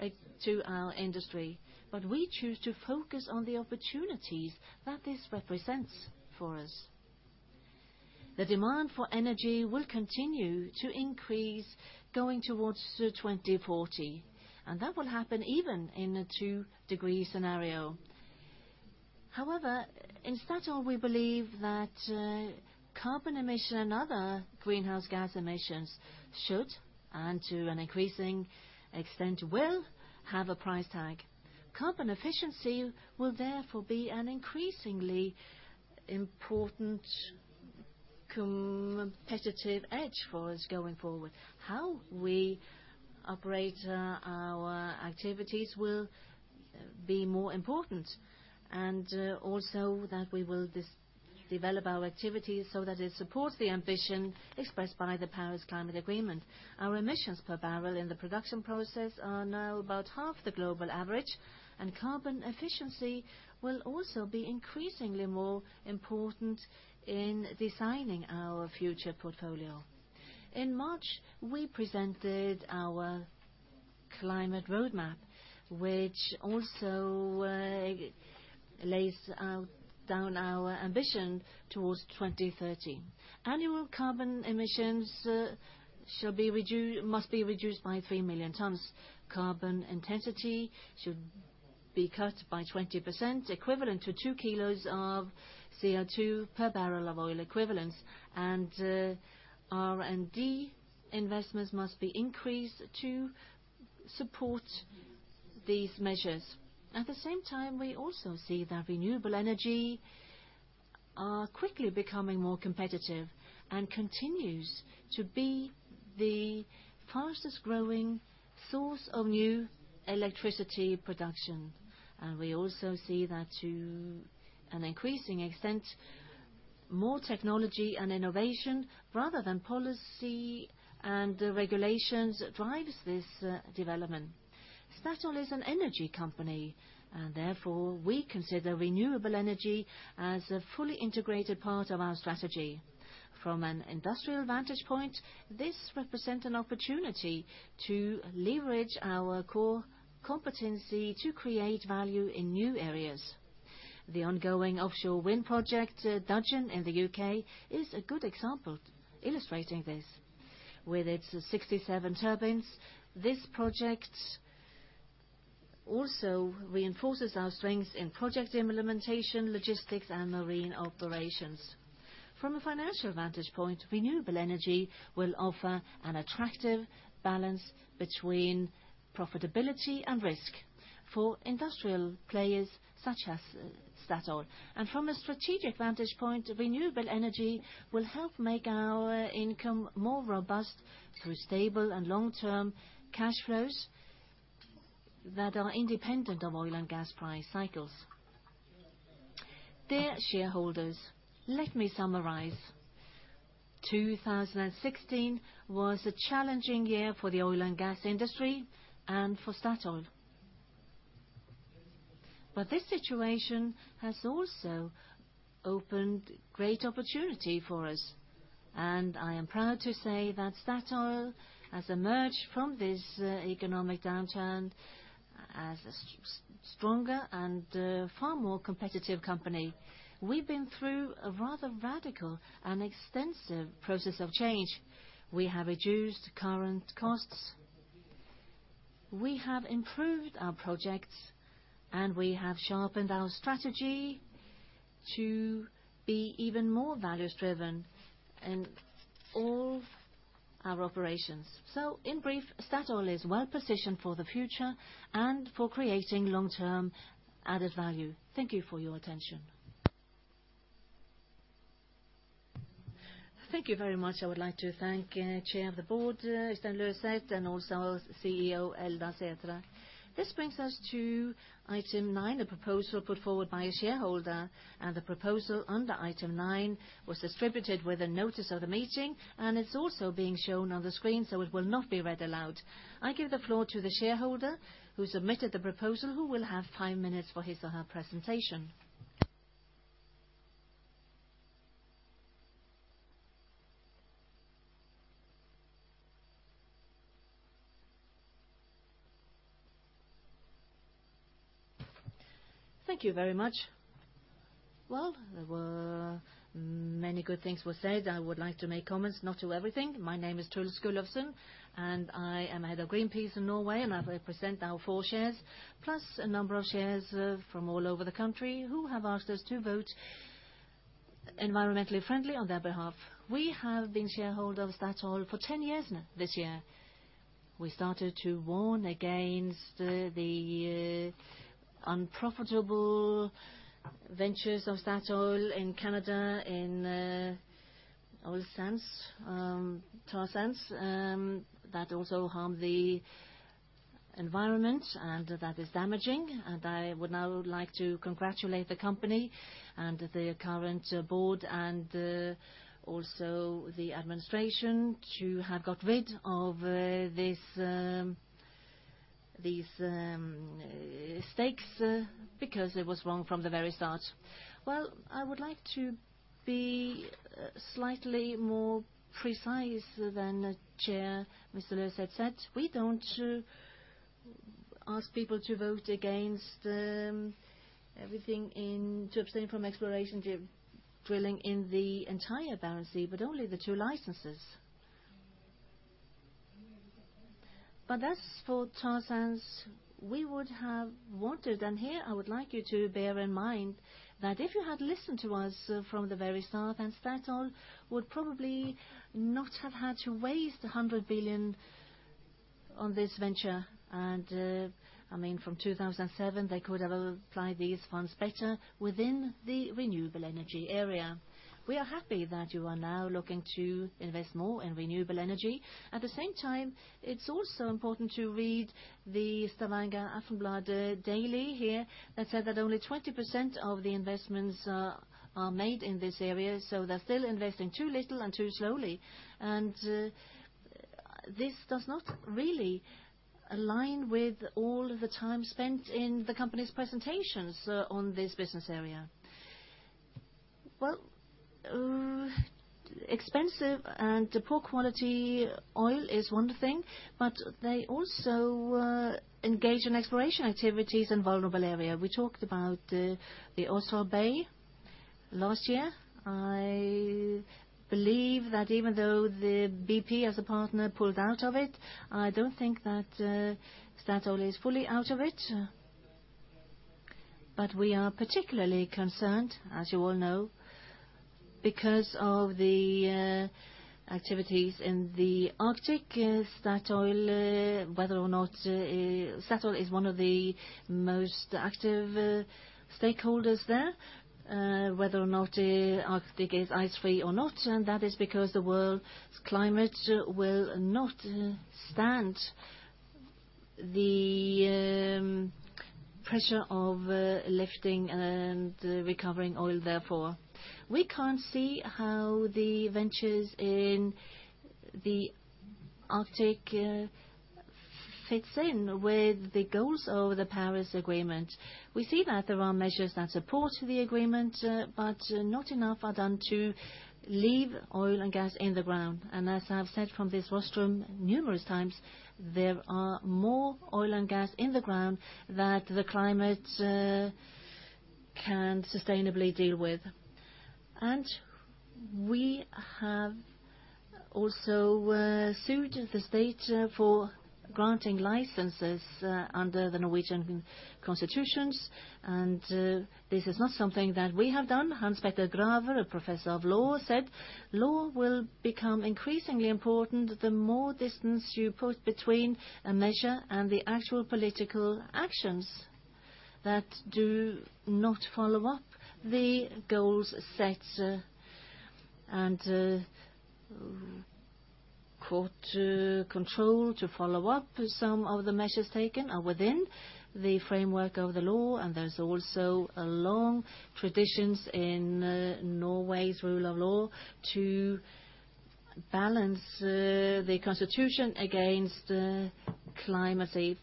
like, to our industry, but we choose to focus on the opportunities that this represents for us. The demand for energy will continue to increase going towards 2040, and that will happen even in a two-degree scenario. However, in Statoil, we believe that carbon emission and other greenhouse gas emissions should, and to an increasing extent, will have a price tag. Carbon efficiency will therefore be an increasingly important competitive edge for us going forward. How we operate our activities will be more important, and also that we will develop our activities so that it supports the ambition expressed by the Paris Agreement. Our emissions per barrel in the production process are now about half the global average, and carbon efficiency will also be increasingly more important in designing our future portfolio. In March, we presented our climate roadmap, which also lays out our ambition towards 2030. Annual carbon emissions must be reduced by 3 million tons. Carbon intensity should be cut by 20%, equivalent to 2 kg of CO2 per barrel of oil equivalents. R&D investments must be increased to support these measures. At the same time, we also see that renewable energy are quickly becoming more competitive and continues to be the fastest-growing source of new electricity production. We also see that to an increasing extent, more technology and innovation rather than policy and regulations drives this development. Statoil is an energy company, and therefore we consider renewable energy as a fully integrated part of our strategy. From an industrial vantage point, this represent an opportunity to leverage our core competency to create value in new areas. The ongoing offshore wind project, Dudgeon in the U.K., is a good example illustrating this. With its 67 turbines, this project also reinforces our strength in project implementation, logistics, and marine operations. From a financial vantage point, renewable energy will offer an attractive balance between profitability and risk for industrial players such as Statoil. From a strategic vantage point, renewable energy will help make our income more robust through stable and long-term cash flows that are independent of oil and gas price cycles. Dear Shareholders, let me summarize. 2016 was a challenging year for the oil and gas industry and for Statoil. This situation has also opened great opportunity for us, and I am proud to say that Statoil has emerged from this economic downturn as a stronger and far more competitive company. We've been through a rather radical and extensive process of change. We have reduced current costs, we have improved our projects, and we have sharpened our strategy to be even more values-driven in all our operations. In brief, Statoil is well-positioned for the future and for creating long-term added value. Thank you for your attention. Thank you very much. I would like to thank, Chair of the Board, Øystein Løseth, and also CEO Eldar Sætre. This brings us to Item 9, a proposal put forward by a Shareholder, and the proposal under Item 9, was distributed with a notice of the meeting, and it's also being shown on the screen, so it will not be read aloud. I give the floor to the Shareholder who submitted the proposal, who will have five minutes for his or her presentation. Thank you very much. Well, there were many good things were said. I would like to make comments, not to everything. My name is Truls Gulowsen, and I am Head of Greenpeace in Norway, and I represent our four shares, plus a number of shares, from all over the country who have asked us to vote environmentally friendly on their behalf. We have been Shareholder of Statoil for ten years now this year. We started to warn against the unprofitable ventures of Statoil in Canada, in oil sands, tar sands, that also harm the environment and that is damaging. I would now like to congratulate the company and the current Board and also the Administration to have got rid of these stakes because it was wrong from the very start. Well, I would like to be slightly more precise than Chair Mr. Løseth said. We don't ask people to vote against everything to abstain from exploration drilling in the entire Barents Sea, but only the two licenses. As for tar sands, we would have wanted, and here I would like you to bear in mind, that if you had listened to us from the very start, then Statoil would probably not have had to waste 100 billion on this venture. I mean, from 2007, they could have applied these funds better within the renewable energy area. We are happy that you are now looking to invest more in renewable energy. At the same time, it's also important to read the Stavanger Aftenblad daily here that said that only 20% of the investments are made in this area, so they're still investing too little and too slowly. This does not really align with all the time spent in the company's presentations on this business area. Well, expensive and poor quality oil is one thing, but they also engage in exploration activities in vulnerable area. We talked about the Oslo Bay last year. I believe that even though the BP as a partner pulled out of it, I don't think that Statoil is fully out of it. We are particularly concerned, as you all know, because of the activities in the Arctic. Statoil, whether or not Statoil is one of the most active Stakeholders there, whether or not Arctic is ice-free or not, and that is because the world's climate will not stand the pressure of lifting and recovering oil therefore. We can't see how the ventures in the Arctic fits in with the goals of the Paris Agreement. We see that there are measures that support the agreement, but not enough are done to leave oil and gas in the ground. As I've said from this rostrum numerous times, there are more oil and gas in the ground that the climate can sustainably deal with. We have also sued the state for granting licenses under the Norwegian constitutions. This is not something that we have done. Hans Petter Graver, a professor of law, said, "Law will become increasingly important the more distance you put between a measure and the actual political actions that do not follow up the goals set. Court control to follow up some of the measures taken are within the framework of the law, and there's also a long tradition in Norway's rule of law to balance the Constitution against climate.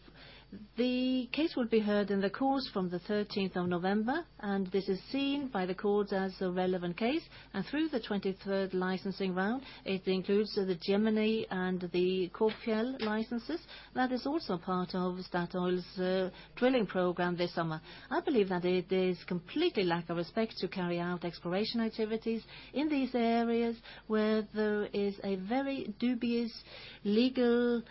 The case would be heard in the court from the 13th of November, and this is seen by the court as a relevant case. Through the 23rd licensing round, it includes the Gemini and the Korpfjell licenses. That is also part of Statoil's drilling program this summer. I believe that it is completely lack of respect to carry out exploration activities in these areas where there is a very dubious legal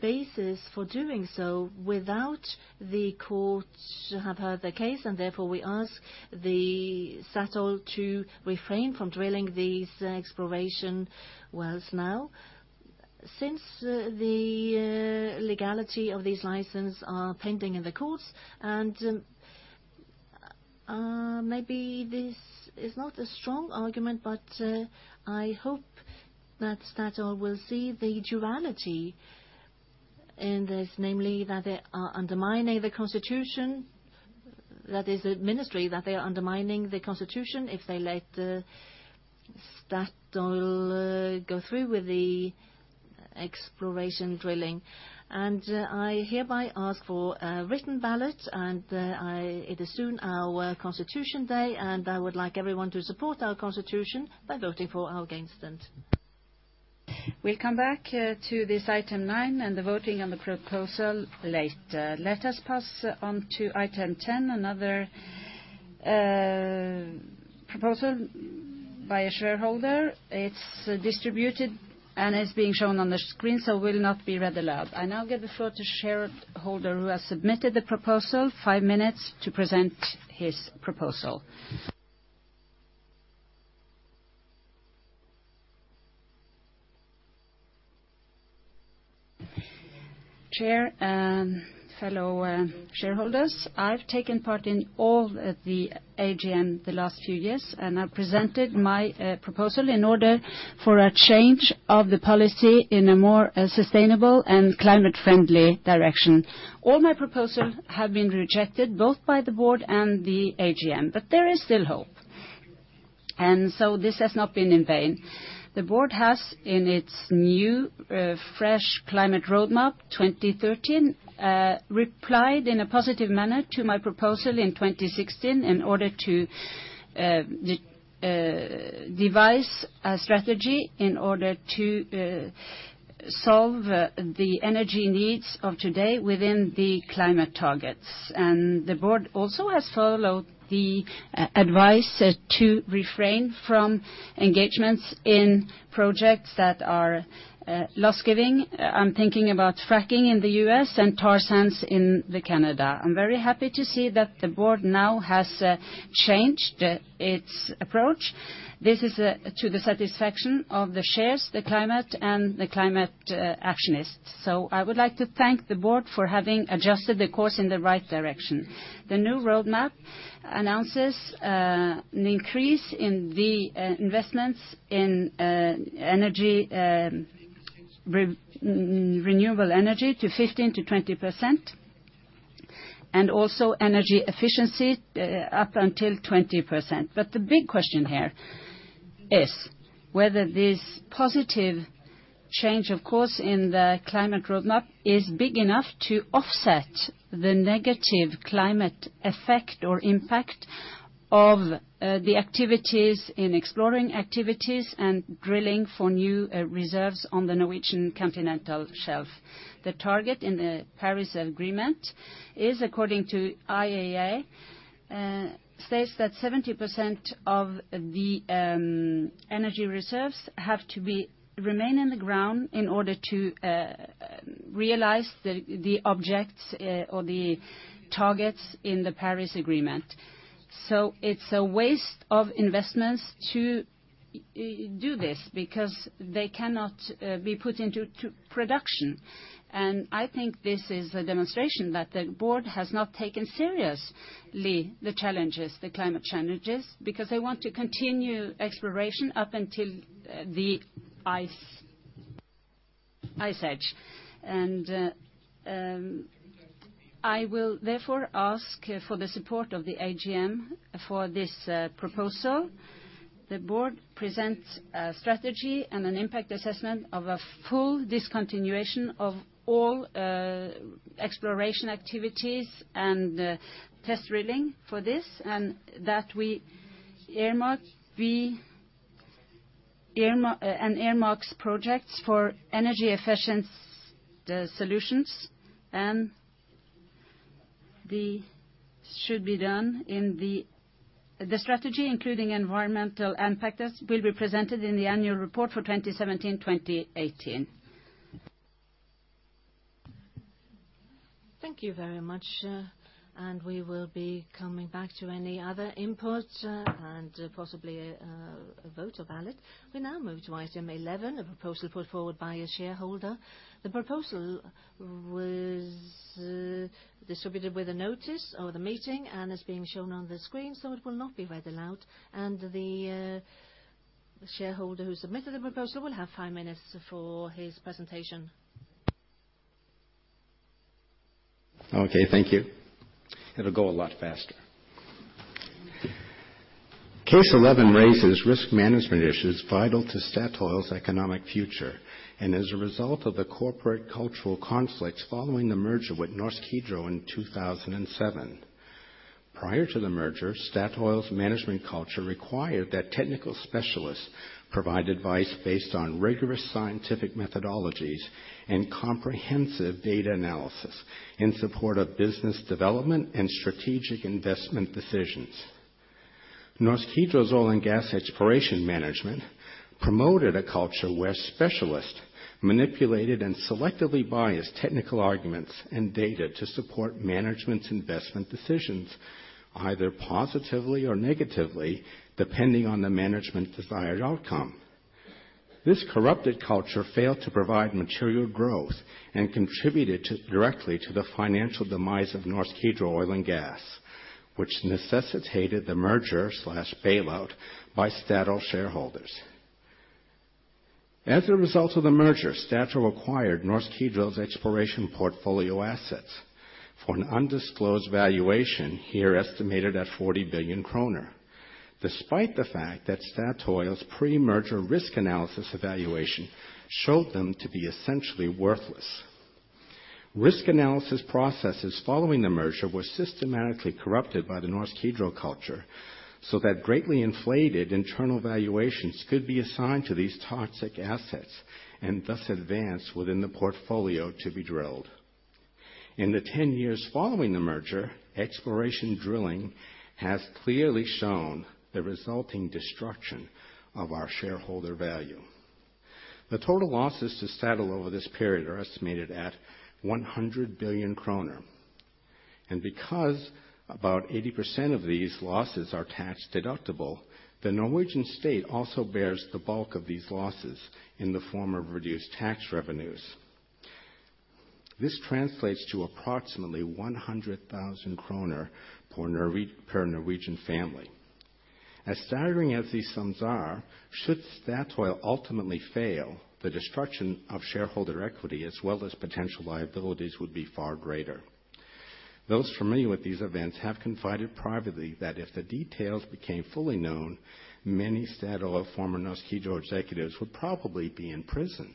basis for doing so without the court to have heard the case, and therefore we ask Statoil to refrain from drilling these exploration wells now. Since the legality of these licenses are pending in the courts, and maybe this is not a strong argument, but I hope that Statoil will see the reality in this, namely that they are undermining the Constitution, that is, the ministry, that they are undermining the Constitution if they let Statoil go through with the exploration drilling. I hereby ask for a written ballot, and it is soon our Constitution Day, and I would like everyone to support our Constitution by voting for or against it. We come back to this Item 9, and the voting on the proposal later. Let us pass on to Item 10, another proposal by a Shareholder. It's distributed and is being shown on the screen, so will not be read aloud. I now give the floor to Shareholder who has submitted the proposal, five minutes to present his proposal. Chair and fellow Shareholders, I've taken part in all the AGM the last few years, and I presented my proposal in order for a change of the policy in a more sustainable and climate-friendly direction. All my proposal have been rejected both by the Board and the AGM, but there is still hope. This has not been in vain. The Board has, in its new fresh climate roadmap 2013, replied in a positive manner to my proposal in 2016 in order to devise a strategy in order to solve the energy needs of today within the climate targets. The Board also has followed the advice to refrain from engagements in projects that are loss-giving. I'm thinking about fracking in the U.S. and tar sands in Canada. I'm very happy to see that the Board now has changed its approach. This is to the satisfaction of the Shareholders, the climate, and the climate activists. I would like to thank the Board for having adjusted the course in the right direction. The new roadmap announces an increase in the investments in renewable energy to 15%-20%, and also energy efficiency up to 20%. The big question here is whether this positive change, of course, in the climate roadmap is big enough to offset the negative climate effect or impact of the activities in exploration activities and drilling for new reserves on the Norwegian continental shelf. The target in the Paris Agreement is according to IEA states that 70% of the energy reserves have to remain in the ground in order to realize the objects or the targets in the Paris Agreement. It's a waste of investments to do this because they cannot be put into production. I think this is a demonstration that the Board has not taken seriously the challenges, the climate challenges, because they want to continue exploration up until the ice age. I will therefore ask for the support of the AGM for this proposal. The Board presents a strategy and an impact assessment of a full discontinuation of all exploration activities and test drilling for this, and that we earmark projects for energy efficient solutions, and this should be done in the. The strategy, including environmental impact, will be presented in the Annual report for 2017-2018. Thank you very much, and we will be coming back to any other input, and possibly a vote or ballot. We now move to Item 11, a proposal put forward by a Shareholder. The proposal was distributed with a notice of the meeting and is being shown on the screen, so it will not be read aloud. The Shareholder who submitted the proposal will have five minutes for his presentation. Okay, thank you. It'll go a lot faster. Case 11 raises risk management issues vital to Statoil's economic future, and as a result of the corporate cultural conflicts following the merger with Norsk Hydro in 2007. Prior to the merger, Statoil's management culture required that technical specialists provide advice based on rigorous scientific methodologies and comprehensive data analysis in support of business development and strategic investment decisions. Norsk Hydro's oil and gas exploration management promoted a culture where specialists manipulated and selectively biased technical arguments and data to support management's investment decisions, either positively or negatively, depending on the management desired outcome. This corrupted culture failed to provide material growth and contributed directly to the financial demise of Norsk Hydro oil and gas, which necessitated the merger/bailout by Statoil Shareholders. As a result of the merger, Statoil acquired Norsk Hydro's exploration portfolio assets for an undisclosed valuation, here estimated at 40 billion kroner. Despite the fact that Statoil's pre-merger risk analysis evaluation showed them to be essentially worthless. Risk analysis processes following the merger were systematically corrupted by the Norsk Hydro culture so that greatly inflated internal valuations could be assigned to these toxic assets and thus advance within the portfolio to be drilled. In the 10 years following the merger, exploration drilling has clearly shown the resulting destruction of our Shareholder value. The total losses to Statoil over this period are estimated at 100 billion kroner. Because about 80% of these losses are tax-deductible, the Norwegian state also bears the bulk of these losses in the form of reduced tax revenues. This translates to approximately 100,000 kroner per Norwegian family. As staggering as these sums are, should Statoil ultimately fail, the destruction of Shareholder equity as well as potential liabilities would be far greater. Those familiar with these events have confided privately that if the details became fully known, many Statoil or former Norsk Hydro executives would probably be in prison.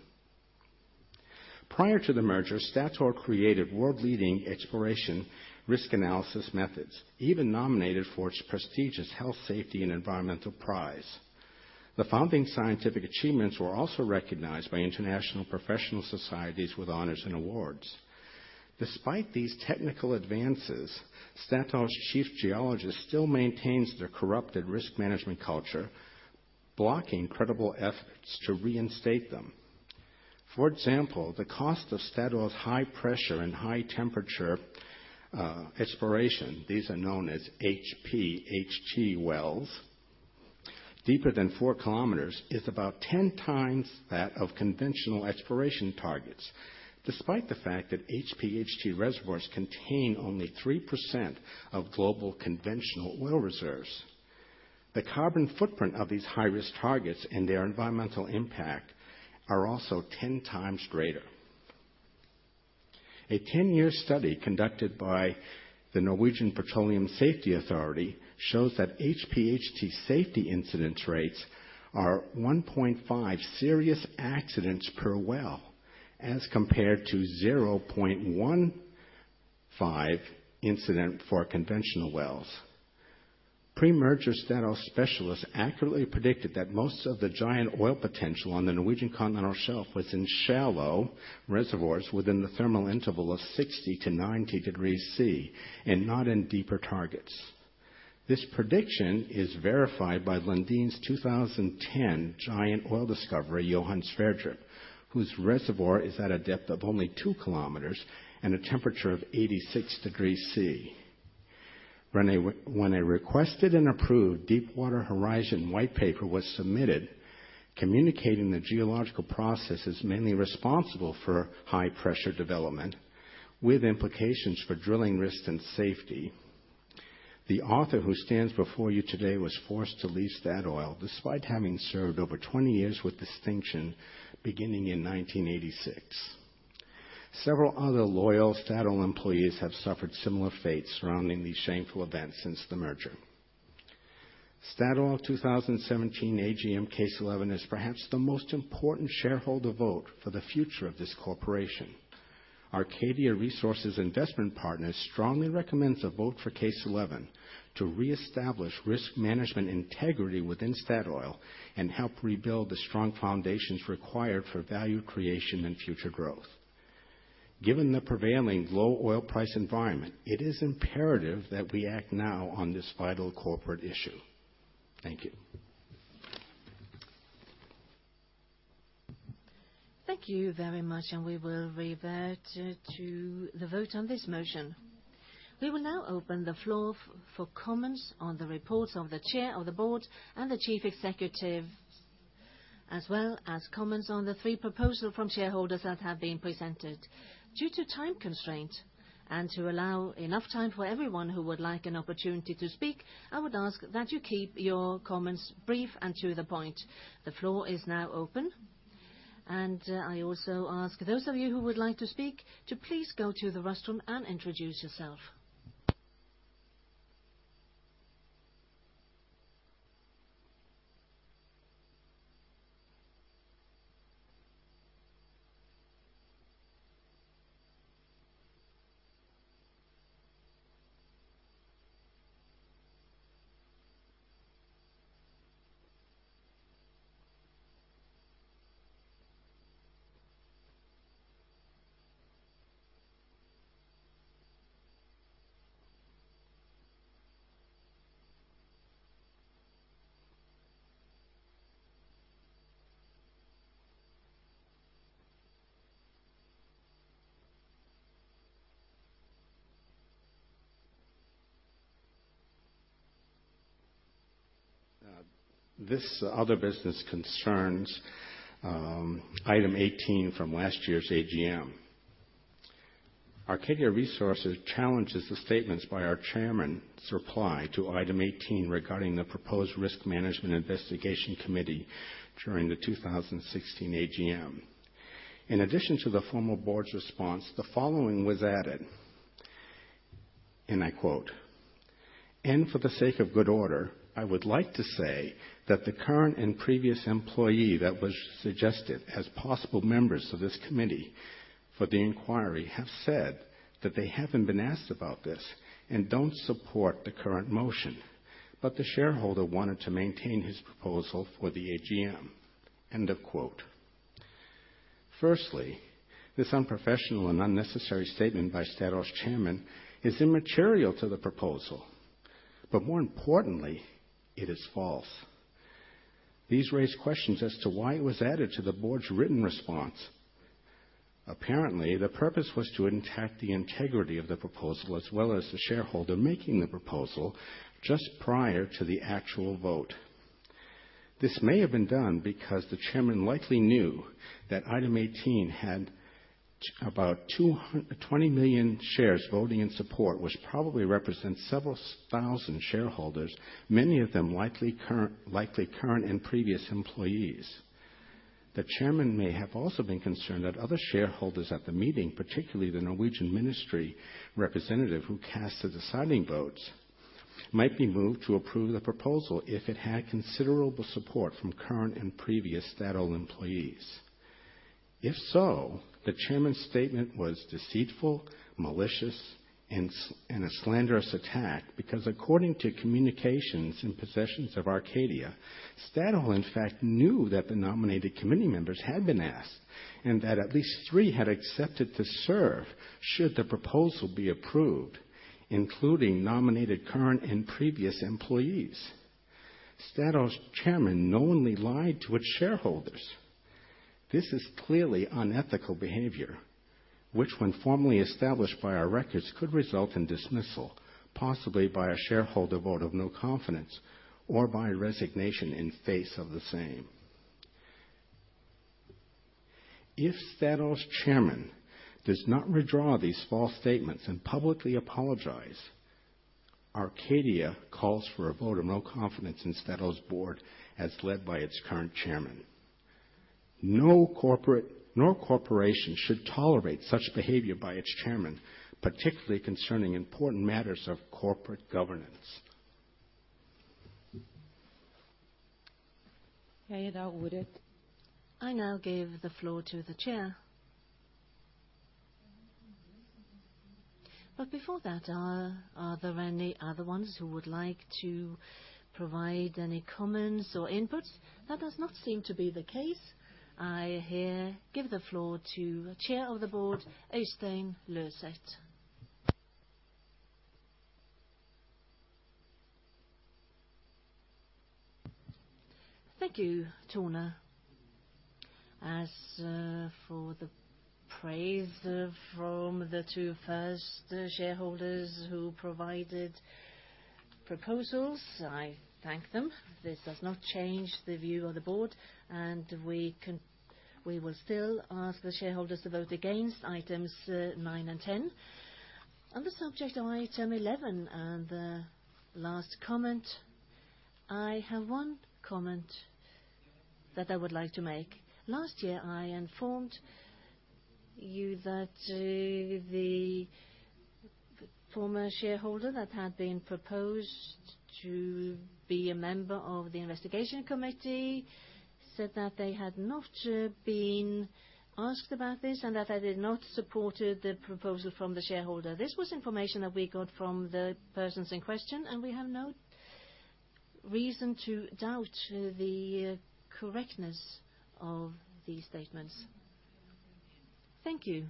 Prior to the merger, Statoil created world-leading exploration risk analysis methods, even nominated for its prestigious Health, Safety and Environmental Prize. The founding scientific achievements were also recognized by International Professional Societies with honors and awards. Despite these technical advances, Statoil's Chief Geologist still maintains their corrupted risk management culture, blocking credible efforts to reinstate them. For example, the cost of Statoil's high pressure and high temperature exploration, these are known as HPHT wells, deeper than 4 km, is about 10 times that of conventional exploration targets, despite the fact that HPHT reservoirs contain only 3% of global conventional oil reserves. The carbon footprint of these high-risk targets and their environmental impact are also 10 times greater. A 10-year study conducted by the Norwegian Petroleum Safety Authority shows that HPHT safety incidence rates are 1.5 serious accidents per well, as compared to 0.15 incident for conventional wells. Pre-merger Statoil specialists accurately predicted that most of the giant oil potential on the Norwegian continental shelf was in shallow reservoirs within the thermal interval of 60-90 degrees C and not in deeper targets. This prediction is verified by Lundin Petroleum's 2010 giant oil discovery, Johan Sverdrup, whose reservoir is at a depth of only 2 km and a temperature of 86 degrees C. When a requested and approved Deepwater Horizon white paper was submitted, communicating the geological processes mainly responsible for high pressure development with implications for drilling risk and safety, the author who stands before you today was forced to leave Statoil, despite having served over 20 years with distinction beginning in 1986. Several other loyal Statoil employees have suffered similar fates surrounding these shameful events since the merger. Statoil 2017 AGM Case 11 is perhaps the most important Shareholder vote for the future of this corporation. Arcadia Resources' investment partners strongly recommends a vote for Case 11 to reestablish risk management integrity within Statoil and help rebuild the strong foundations required for value creation and future growth. Given the prevailing low oil price environment, it is imperative that we act now on this vital corporate issue. Thank you. Thank you very much, and we will revert to the vote on this motion. We will now open the floor for comments on the reports of the Chair of the Board and the Chief Executive, as well as comments on the three proposals from Shareholders that have been presented. Due to time constraint and to allow enough time for everyone who would like an opportunity to speak, I would ask that you keep your comments brief and to the point. The floor is now open. I also ask those of you who would like to speak to please go to the microphone and introduce yourself. This other business concerns Item 18 from last year's AGM. Arcadia Resources challenges the statements by our Chairman's reply to Item 18 regarding the proposed Risk Management Investigation Committee during the 2016 AGM. In addition to the formal Board's response, the following was added, and I quote, "And for the sake of good order, I would like to say that the current and previous employee that was suggested as possible members of this committee for the inquiry have said that they haven't been asked about this and don't support the current motion. But the Shareholder wanted to maintain his proposal for the AGM." End of quote. Firstly, this unprofessional and unnecessary statement by Statoil's Chairman is immaterial to the proposal, but more importantly, it is false. These raise questions as to why it was added to the Board's written response. Apparently, the purpose was to protect the integrity of the proposal as well as the Shareholder making the proposal just prior to the actual vote. This may have been done because the Chairman likely knew that Item 18 had about 20 million shares voting in support, which probably represents several thousand Shareholders, many of them likely current and previous employees. The Chairman may have also been concerned that other Shareholders at the meeting, particularly the Norwegian Ministry representative who cast the deciding votes, might be moved to approve the proposal if it had considerable support from current and previous Statoil employees. If so, the Chairman's statement was deceitful, malicious, and a slanderous attack because according to communications and possessions of Arcadia, Statoil, in fact, knew that the nominated committee members had been asked and that at least three had accepted to serve should the proposal be approved, including nominated current and previous employees. Statoil's Chairman knowingly lied to its Shareholders. This is clearly unethical behavior, which when formally established by our records, could result in dismissal, possibly by a Shareholder vote of no confidence or by resignation in face of the same. If Statoil's Chairman does not redraw these false statements and publicly apologize, Arcadia calls for a vote of no confidence in Statoil's Board as led by its current Chairman. No corporation should tolerate such behavior by its Chairman, particularly concerning important matters of corporate governance. I now give the floor to the Chair. Before that, are there any other ones who would like to provide any comments or inputs? That does not seem to be the case. I hereby give the floor to Chair of the Board, Øystein Løseth. Thank you, Tone. As for the praise from the two first Shareholders who provided proposals, I thank them. This does not change the view of the Board, and we will still ask the Shareholders to vote against Items 9 and 10. On the subject of Item 11 and the last comment, I have one comment that I would like to make. Last year, I informed you that the former Shareholder that had been proposed to be a member of the Investigation Committee said that they had not been asked about this and that they did not supported the proposal from the Shareholder. This was information that we got from the persons in question, and we have no reason to doubt the correctness of these statements. Thank you.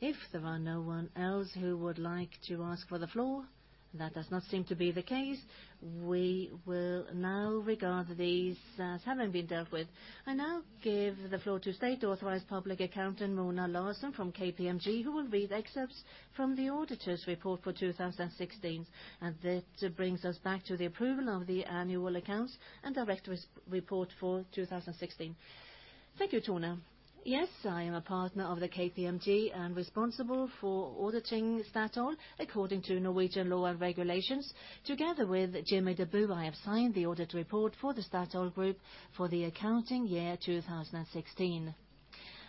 If there are no one else who would like to ask for the floor, that does not seem to be the case, we will now regard these as having been dealt with. I now give the floor to State Authorized Public Accountant Mona Larsen from KPMG, who will read excerpts from the auditor's report for 2016. That brings us back to the approval of the Annual accounts and Director's report for 2016. Thank you, Tone. Yes, I am a Partner at KPMG and responsible for Auditing Statoil according to Norwegian law and regulations. Together with Jimmy Dyb, I have signed the audit report for the Statoil group for the accounting year 2016.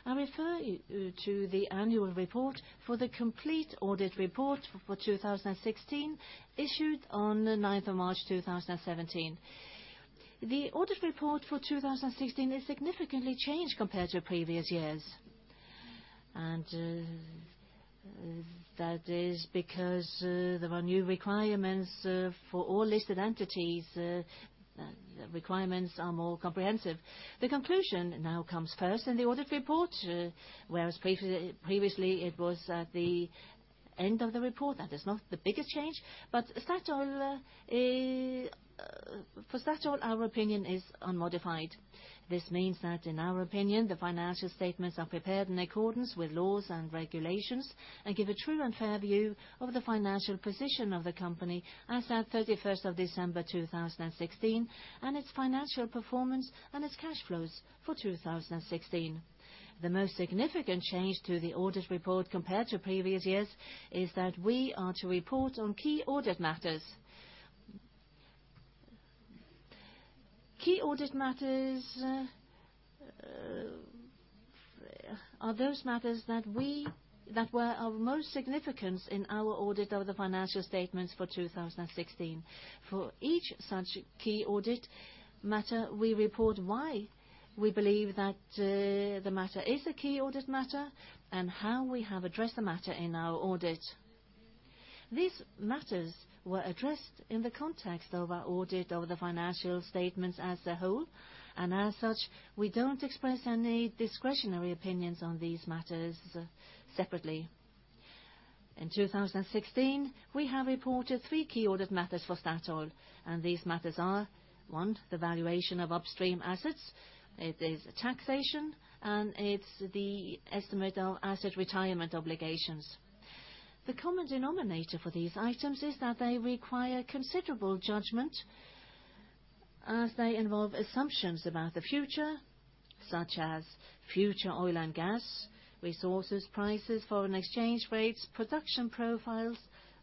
I refer you to the Annual report for the complete audit report for 2016 issued on the 9th of March 2017. The audit report for 2016 is significantly changed compared to previous years. That is because there are new requirements for all listed entities. The requirements are more comprehensive. The conclusion now comes first in the audit report, whereas previously it was at the end of the report. That is not the biggest change. For Statoil, our opinion is unmodified. This means that in our opinion, the financial statements are prepared in accordance with laws and regulations and give a true and fair view of the financial position of the company as at 31st December 2016, and its financial performance and its cash flows for 2016. The most significant change to the audit report compared to previous years is that we are to report on key audit matters. Key audit matters are those matters that were of most significance in our audit of the financial statements for 2016. For each such key audit matter, we report why we believe that, the matter is a key audit matter and how we have addressed the matter in our audit. These matters were addressed in the context of our audit of the financial statements as a whole, and as such, we don't express any discretionary opinions on these matters separately. In 2016, we have reported three key audit matters for Statoil, and these matters are, one, the valuation of upstream assets, it is taxation, and it's the estimate of asset retirement obligations. The common denominator for these items is that they require considerable judgment as they involve assumptions about the future, such as future oil and gas resources, prices, foreign exchange rates, production profiles,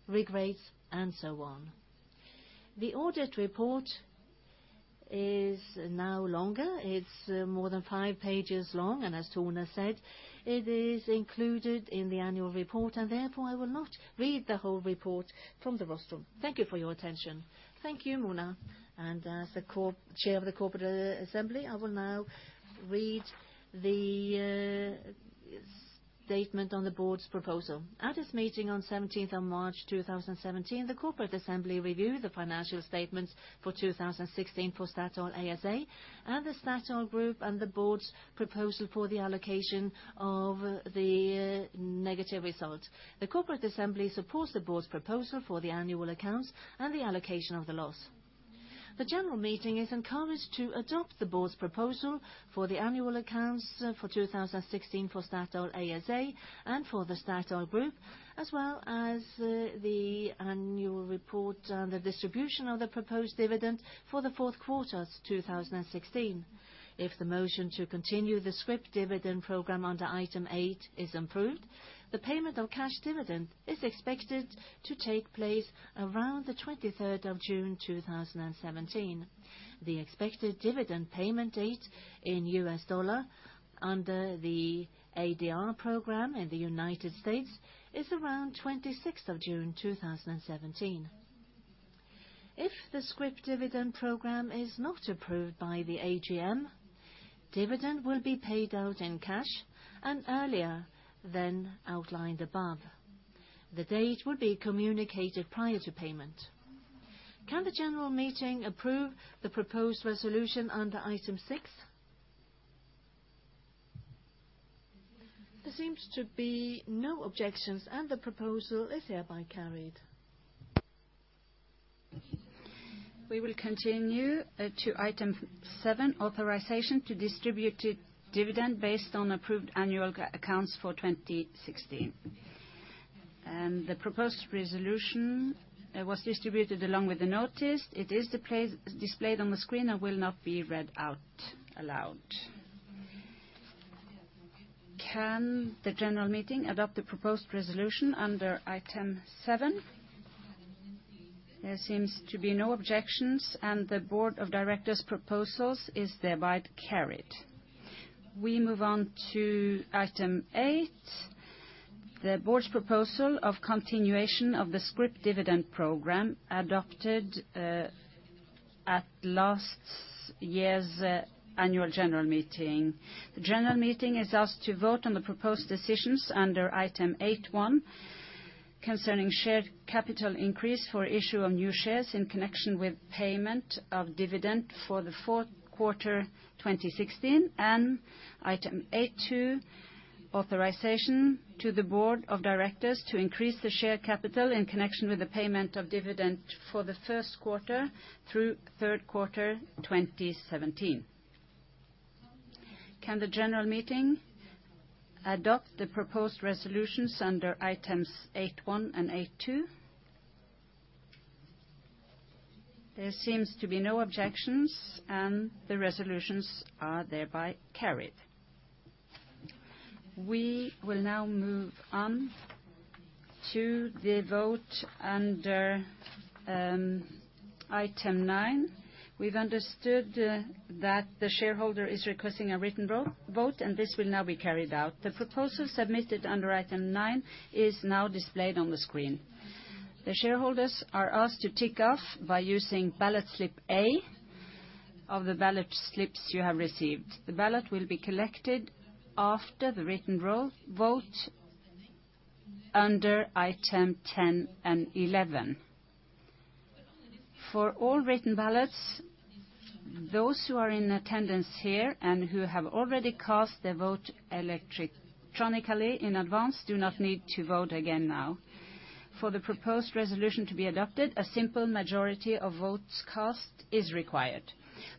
rig rates, and so on. The audit report is now longer. It's more than five pages long, and as Tone said, it is included in the Annual report, and therefore, I will not read the whole report from the rostrum. Thank you for your attention. Thank you, Mona. As the Chair of the Corporate Assembly, I will now read the statement on the Board's proposal. At this meeting on the 17th of March 2017, the Corporate Assembly reviewed the financial statements for 2016 for Statoil ASA and the Statoil group and the Board's proposal for the allocation of the negative result. The Corporate Assembly supports the Board's proposal for the Annual accounts and the allocation of the loss. The General Meeting is encouraged to adopt the Board's proposal for the Annual accounts for 2016 for Statoil ASA and for the Statoil group, as well as the Annual report on the distribution of the proposed dividend for the fourth quarter of 2016. If the motion to continue the scrip dividend program under Item 8 is approved, the payment of cash dividend is expected to take place around the 23rd of June 2017. The expected dividend payment date in U.S. dollar under the ADR program in the United States is around the 26th of June 2017. If the scrip dividend program is not approved by the AGM, dividend will be paid out in cash and earlier than outlined above. The date will be communicated prior to payment. Can the General Meeting approve the proposed resolution under Item 6? There seems to be no objections, and the proposal is hereby carried. We will continue to Item 7, authorization to distribute dividend based on approved Annual Accounts for 2016. The proposed resolution was distributed along with the notice. It is displayed on the screen and will not be read out aloud. Can the General Meeting adopt the proposed resolution under Item 7? There seems to be no objections, Board of Directors' proposal is thereby carried. We move on to Item 8, the Board's proposal of continuation of the scrip dividend program adopted at last year's Annual General Meeting. The General Meeting is asked to vote on the proposed decisions under Item 8.1 concerning share capital increase for issue of new shares in connection with payment of dividend for the fourth quarter 2016 and Item 8.2, authorization to the Board of Directors to increase the share capital in connection with the payment of dividend for the first quarter through third quarter 2017. Can the General Meeting adopt the proposed resolutions under Items 8.1 and 8.2? There seems to be no objections, and the resolutions are thereby carried. We will now move on to the vote under Item 9. We've understood that the Shareholder is requesting a written vote, and this will now be carried out. The proposal submitted under Item 9 is now displayed on the screen. The Shareholders are asked to tick off by using ballot slip A of the ballot slips you have received. The ballot will be collected after the written vote under Item 10 and 11. For all written ballots, those who are in attendance here and who have already cast their vote electronically in advance do not need to vote again now. For the proposed resolution to be adopted, a simple majority of votes cast is required.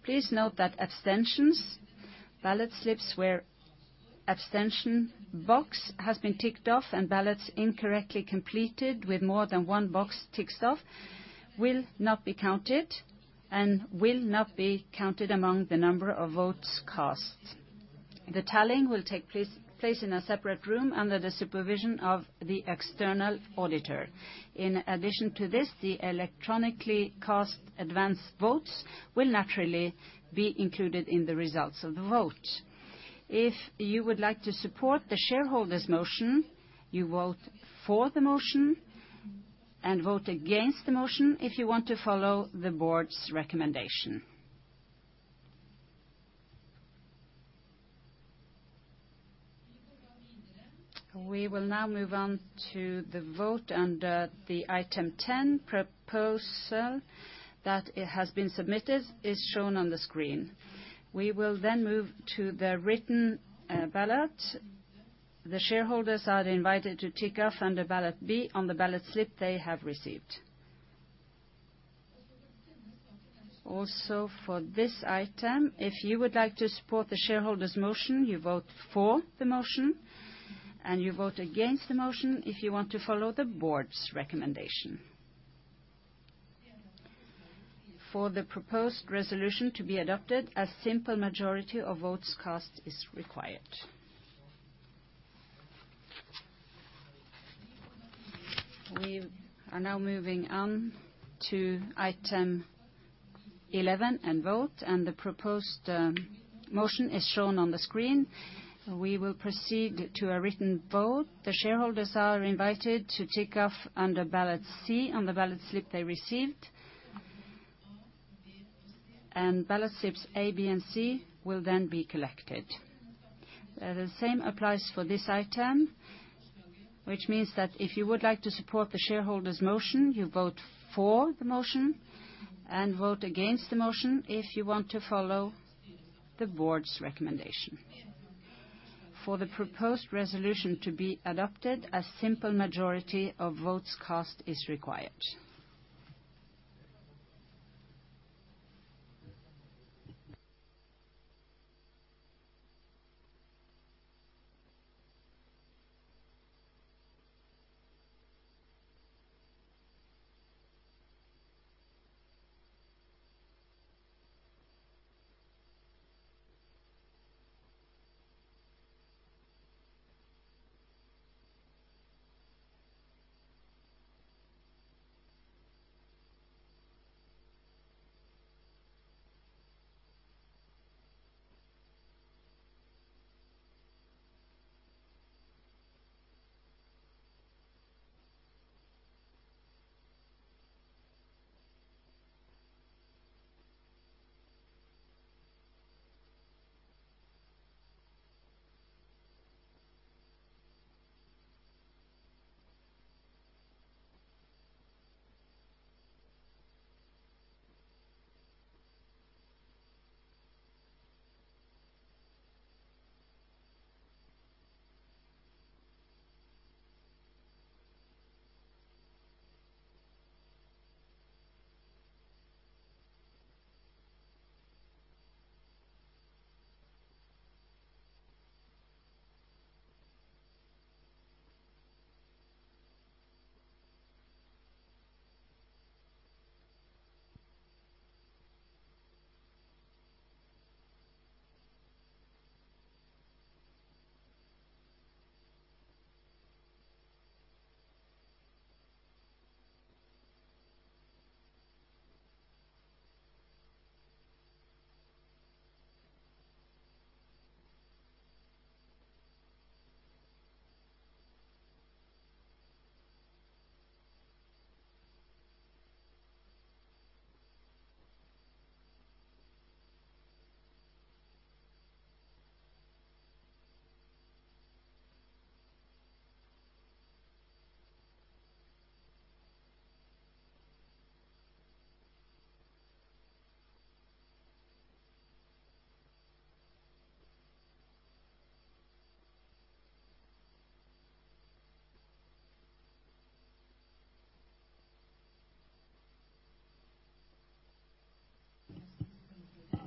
Please note that abstentions, ballot slips where abstention box has been ticked off, and ballots incorrectly completed with more than one box ticked off will not be counted among the number of votes cast. The tallying will take place in a separate room under the supervision of the external Auditor. In addition to this, the electronically cast advance votes will naturally be included in the results of the vote. If you would like to support the Shareholder's motion, you vote for the motion and vote against the motion if you want to follow the Board's recommendation. We will now move on to the vote under Item 10. The proposal that has been submitted is shown on the screen. We will then move to the written ballot. The Shareholders are invited to tick off under ballot B on the ballot slip they have received. Also for this item, if you would like to support the Shareholder's motion, you vote for the motion, and you vote against the motion if you want to follow the Board's recommendation. For the proposed resolution to be adopted, a simple majority of votes cast is required. We are now moving on to Item 11 and vote, and the proposed motion is shown on the screen. We will proceed to a written vote. The Shareholders are invited to tick off under ballot C on the ballot slip they received. Ballot slips A, B, and C will then be collected. The same applies for this item, which means that if you would like to support the Shareholder's motion, you vote for the motion and vote against the motion if you want to follow the Board's recommendation. For the proposed resolution to be adopted, a simple majority of votes cast is required.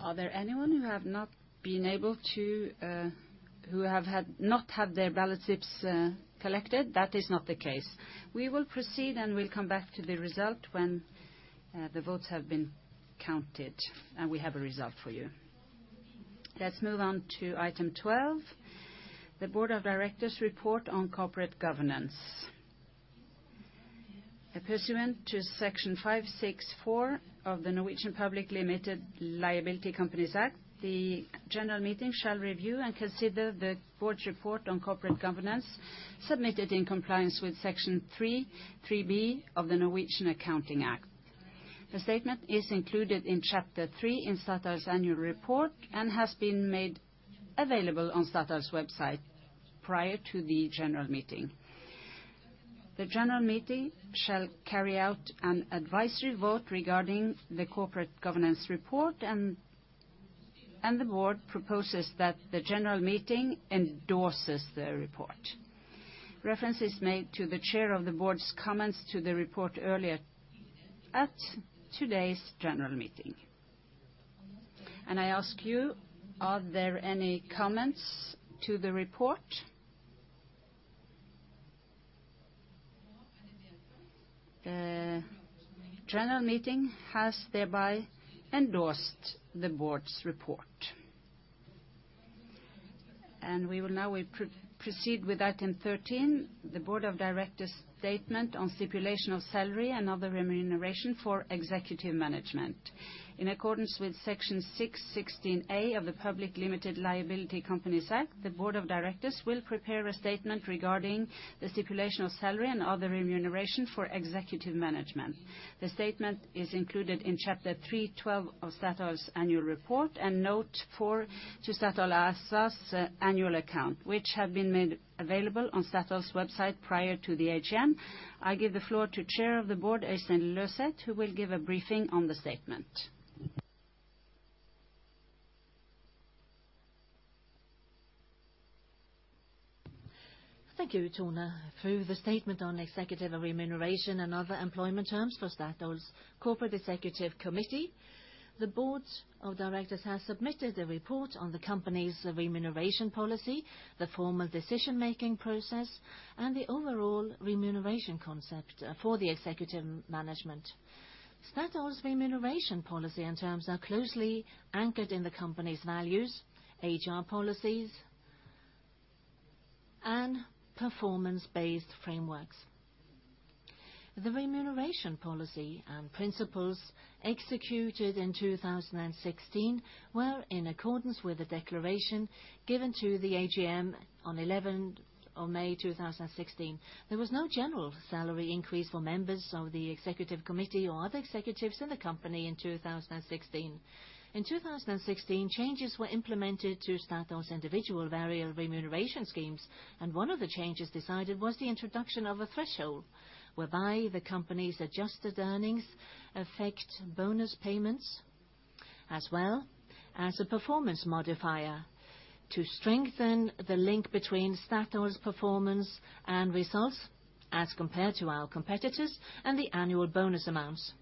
Are there anyone who have not had their ballot slips collected? That is not the case. We will proceed, and we'll come back to the result when the votes have been counted and we have a result for you. Let's move on to Item 12, the Board of Directors' report on corporate governance. Pursuant to Section 5-64 of the Norwegian Public Limited Liability Companies Act, the General Meeting shall review and consider the Board's report on corporate governance submitted in compliance with Section 3-3-B of the Norwegian Accounting Act. The statement is included in chapter 3 in Statoil's Annual report and has been made available on Statoil's website prior to the General Meeting. The General Meeting shall carry out an advisory vote regarding the corporate governance report, and the Board proposes that the General Meeting endorses the report. Reference is made to the Chair of the Board's comments to the report earlier at today's General Meeting. I ask you, are there any comments to the report? General Meeting has thereby endorsed the Board's report. We will now proceed with Item 13, the Board of Directors' statement on stipulation of salary and other remuneration for Executive Management. In accordance with Section 6-16-A of the Norwegian Public Limited Liability Companies Act, the Board of Directors will prepare a statement regarding the stipulation of salary and other remuneration for Executive Management. The statement is included in chapter 3.12 of Statoil's Annual report and note 4 to Statoil ASA's Annual account, which have been made available on Statoil's website prior to the AGM. I give the floor to Chair of the Board, Øystein Løseth, who will give a briefing on the statement. Thank you, Tone. Through the statement on executive remuneration and other employment terms for Statoil's Corporate Executive Committee, the Board of Directors has submitted a report on the company's remuneration policy, the formal decision-making process, and the overall remuneration concept for the Executive management. Statoil's remuneration policy and terms are closely anchored in the company's values, HR policies, and performance-based frameworks. The remuneration policy and principles executed in 2016 were in accordance with the declaration given to the AGM on 11th of May 2016. There was no general salary increase for members of the Executive Committee or other executives in the company in 2016. In 2016, changes were implemented to Statoil's individual variable remuneration schemes, and one of the changes decided was the introduction of a threshold whereby the company's adjusted earnings affect bonus payments as well as a performance modifier to strengthen the link between Statoil's performance and results as compared to our competitors and the annual bonus amounts.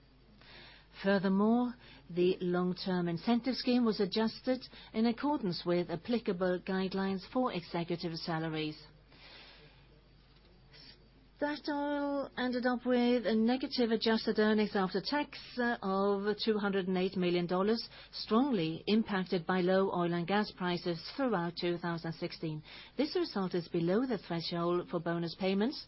Furthermore, the long-term incentive scheme was adjusted in accordance with applicable guidelines for executive salaries. Statoil ended up with negative adjusted earnings after tax of $208 million, strongly impacted by low oil and gas prices throughout 2016. This result is below the threshold for bonus payments.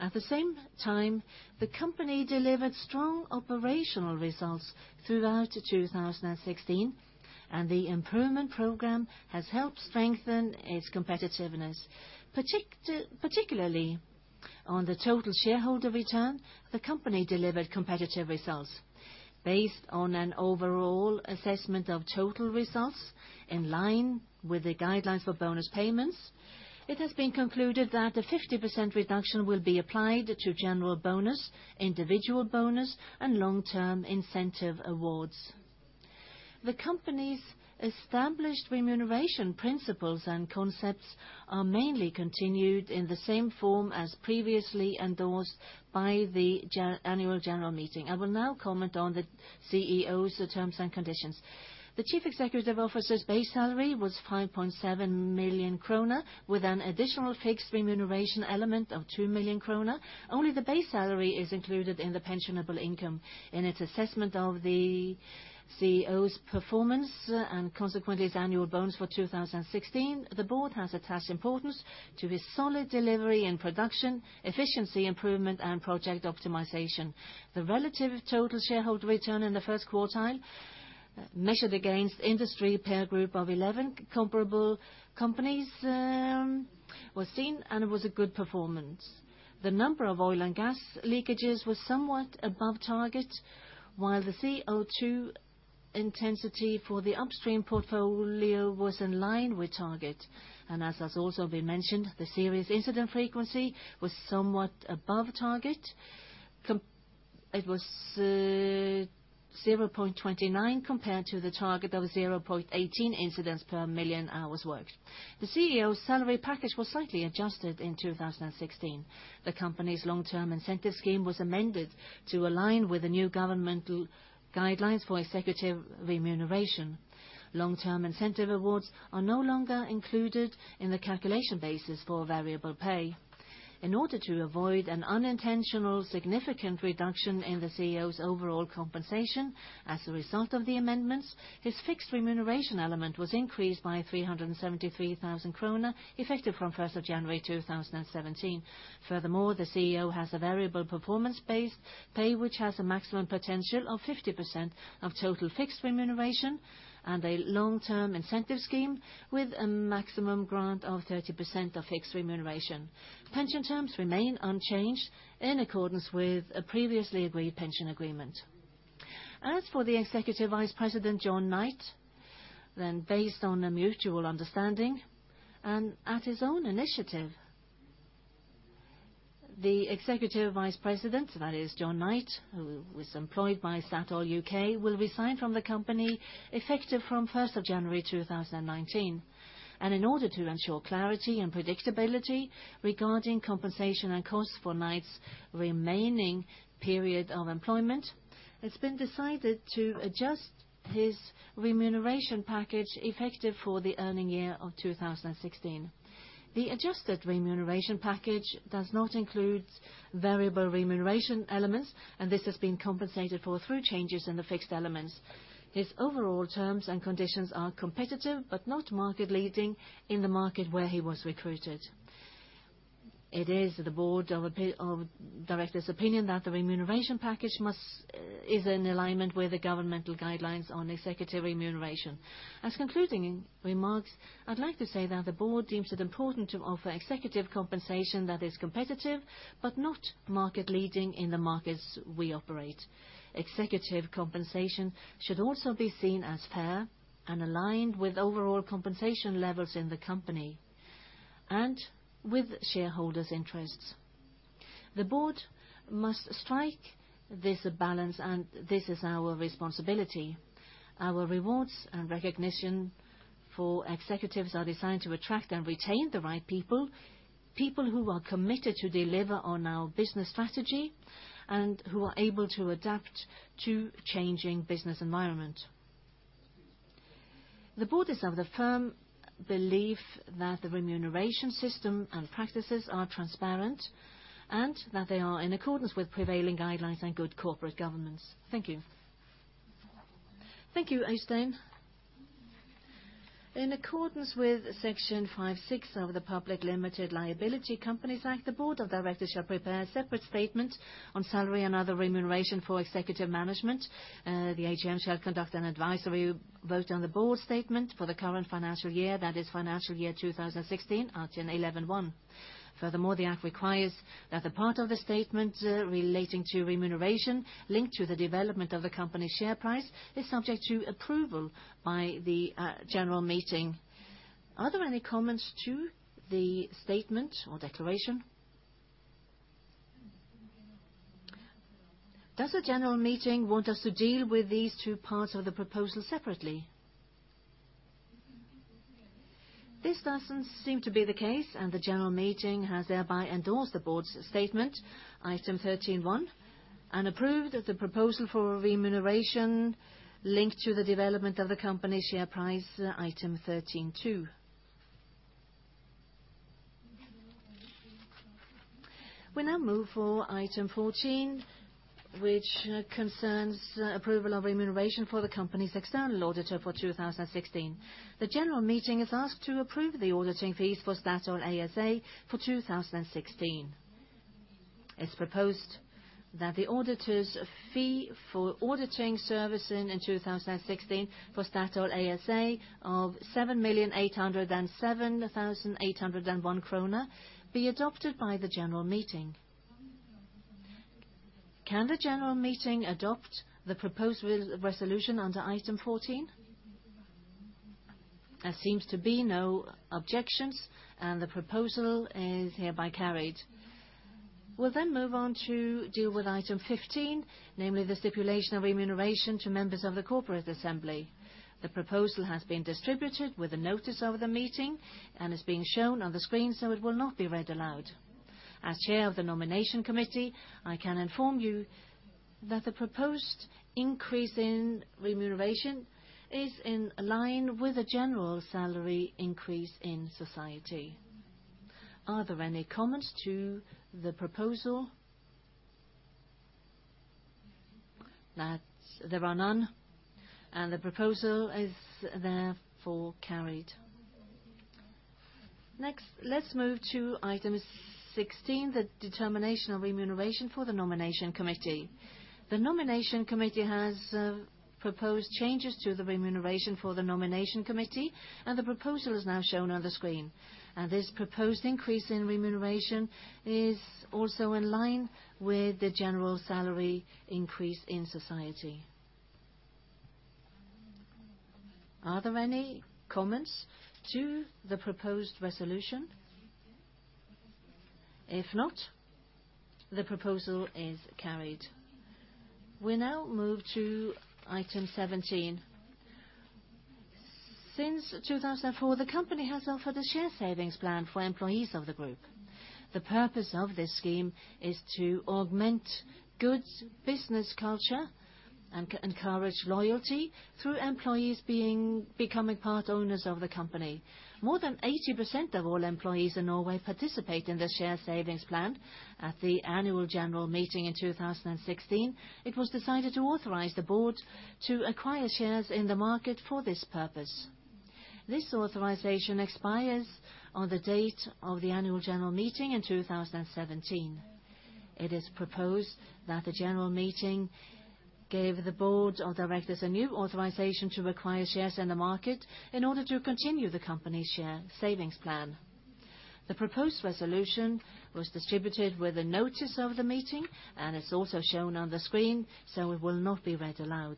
At the same time, the company delivered strong operational results throughout 2016, and the improvement program has helped strengthen its competitiveness. Particularly on the total Shareholder return, the company delivered competitive results. Based on an overall assessment of total results in line with the guidelines for bonus payments, it has been concluded that a 50% reduction will be applied to general bonus, individual bonus, and long-term incentive awards. The company's established remuneration principles and concepts are mainly continued in the same form as previously endorsed by the Annual General Meeting. I will now comment on the CEO's terms and conditions. The Chief Executive Officer's base salary was 5.7 million kroner with an additional fixed remuneration element of 2 million kroner. Only the base salary is included in the pensionable income. In its assessment of the CEO's performance and consequently his Annual bonus for 2016, the Board has attached importance to his solid delivery and production, efficiency improvement, and project optimization. The relative total Shareholder return in the first quartile, measured against industry peer group of 11 comparable companies, was seen, and it was a good performance. The number of oil and gas leakages was somewhat above target, while the CO2 intensity for the upstream portfolio was in line with target. As has also been mentioned, the serious incident frequency was somewhat above target. It was 0.29 compared to the target of 0.18 incidents per million hours worked. The CEO's salary package was slightly adjusted in 2016. The company's long-term incentive scheme was amended to align with the new governmental guidelines for executive remuneration. Long-term incentive awards are no longer included in the calculation basis for variable pay. In order to avoid an unintentional significant reduction in the CEO's overall compensation as a result of the amendments, his fixed remuneration element was increased by 373 thousand kroner, effective from first of January, 2017. Furthermore, the CEO has a variable performance-based pay, which has a maximum potential of 50% of total fixed remuneration and a long-term incentive scheme with a maximum grant of 30% of fixed remuneration. Pension terms remain unchanged in accordance with a previously agreed pension agreement. As for the Executive Vice President, John Knight, based on a mutual understanding and at his own initiative, the Executive Vice President, that is John Knight, who was employed by Statoil UK, will resign from the company effective from first of January, 2019. In order to ensure clarity and predictability regarding compensation and costs for Knight's remaining period of employment, it's been decided to adjust his remuneration package effective for the earning year of 2016. The adjusted remuneration package does not include variable remuneration elements, and this has been compensated for through changes in the fixed elements. His overall terms and conditions are competitive, but not market-leading in the market where he was recruited. It is the Board of Directors' opinion that the remuneration package is in alignment with the governmental guidelines on executive remuneration. As concluding remarks, I'd like to say that the Board deems it important to offer executive compensation that is competitive, but not market-leading in the markets we operate. Executive compensation should also be seen as fair and aligned with overall compensation levels in the company and with Shareholders' interests. The Board must strike this balance, and this is our responsibility. Our rewards and recognition for executives are designed to attract and retain the right people who are committed to deliver on our business strategy and who are able to adapt to changing business environment. The Board is of the firm belief that the remuneration system and practices are transparent and that they are in accordance with prevailing guidelines and good corporate governance. Thank you. Thank you, Øystein. In accordance with Section 5-6 of the Norwegian Public Limited Liability Companies Act, the Board of Directors shall prepare a separate statement on salary and other remuneration for executive management. The AGM shall conduct an advisory vote on the Board statement for the current financial year, that is financial year 2016, Item 11.1. Furthermore, the act requires that the part of the statement relating to remuneration linked to the development of the company's share price is subject to approval by the General Meeting. Are there any comments to the statement or declaration? Does the General Meeting want us to deal with these two parts of the proposal separately? This doesn't seem to be the case, and the General Meeting has thereby endorsed the Board's statement, Item 13.1, and approved the proposal for remuneration linked to the development of the company's share price, Item 13.2. We now move for Item 14, which concerns approval of remuneration for the company's external auditor for 2016. The General Meeting is asked to approve the auditing fees for Statoil ASA for 2016. It's proposed that the auditor's fee for auditing services in 2016 for Statoil ASA of 7,807,801 krone be adopted by the General Meeting. Can the General Meeting adopt the proposed resolution under Item 14? There seems to be no objections, and the proposal is hereby carried. We'll then move on to deal with Item 15, namely the stipulation of remuneration to members of the Corporate Assembly. The proposal has been distributed with a notice of the meeting and is being shown on the screen, so it will not be read aloud. As Chair of the Nomination Committee, I can inform you that the proposed increase in remuneration is in line with the general salary increase in society. Are there any comments to the proposal? There are none, and the proposal is therefore carried. Next, let's move to Item 16, the determination of remuneration for the Nomination Committee. The Nomination Committee has proposed changes to the remuneration for the Nomination Committee, and the proposal is now shown on the screen. This proposed increase in remuneration is also in line with the general salary increase in society. Are there any comments to the proposed resolution? If not, the proposal is carried. We now move to Item 17. Since 2004, the company has offered a share savings plan for employees of the group. The purpose of this scheme is to augment good business culture and encourage loyalty through employees becoming part owners of the company. More than 80% of all employees in Norway participate in the share savings plan. At the Annual General Meeting in 2016, it was decided to authorize the Board to acquire shares in the market for this purpose. This authorization expires on the date of the Annual General Meeting in 2017. It is proposed that the General Meeting gave the Board of Directors a new authorization to acquire shares in the market in order to continue the company's share savings plan. The proposed resolution was distributed with a notice of the meeting, and it's also shown on the screen, so it will not be read aloud.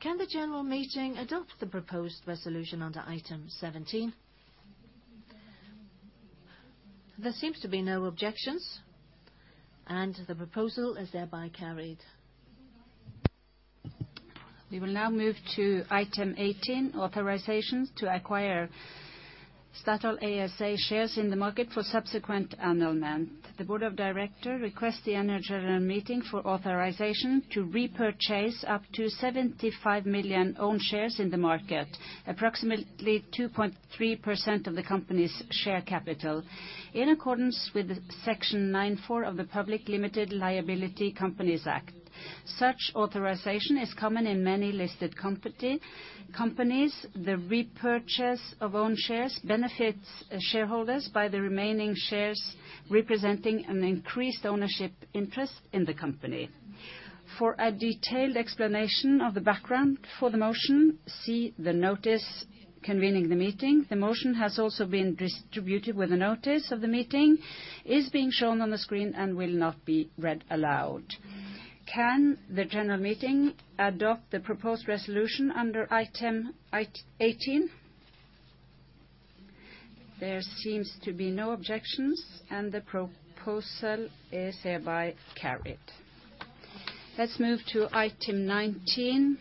Can the General Meeting adopt the proposed resolution under Item 17? There seems to be no objections, and the proposal is thereby carried. We will now move to Item 18, authorizations to acquire Statoil ASA shares in the market for subsequent annulment. The Board of Directors requests the Annual General Meeting for authorization to repurchase up to 75 million own shares in the market, approximately 2.3% of the company's share capital. In accordance with Section 9-4 of the Public Limited Liability Companies Act, such authorization is common in many listed companies. The repurchase of own shares benefits Shareholders by the remaining shares representing an increased ownership interest in the company. For a detailed explanation of the background for the motion, see the notice convening the meeting. The motion has also been distributed with a notice of the meeting, is being shown on the screen and will not be read aloud. Can the General Meeting adopt the proposed resolution under Item 18? There seems to be no objections, and the proposal is thereby carried. Let's move to Item 19,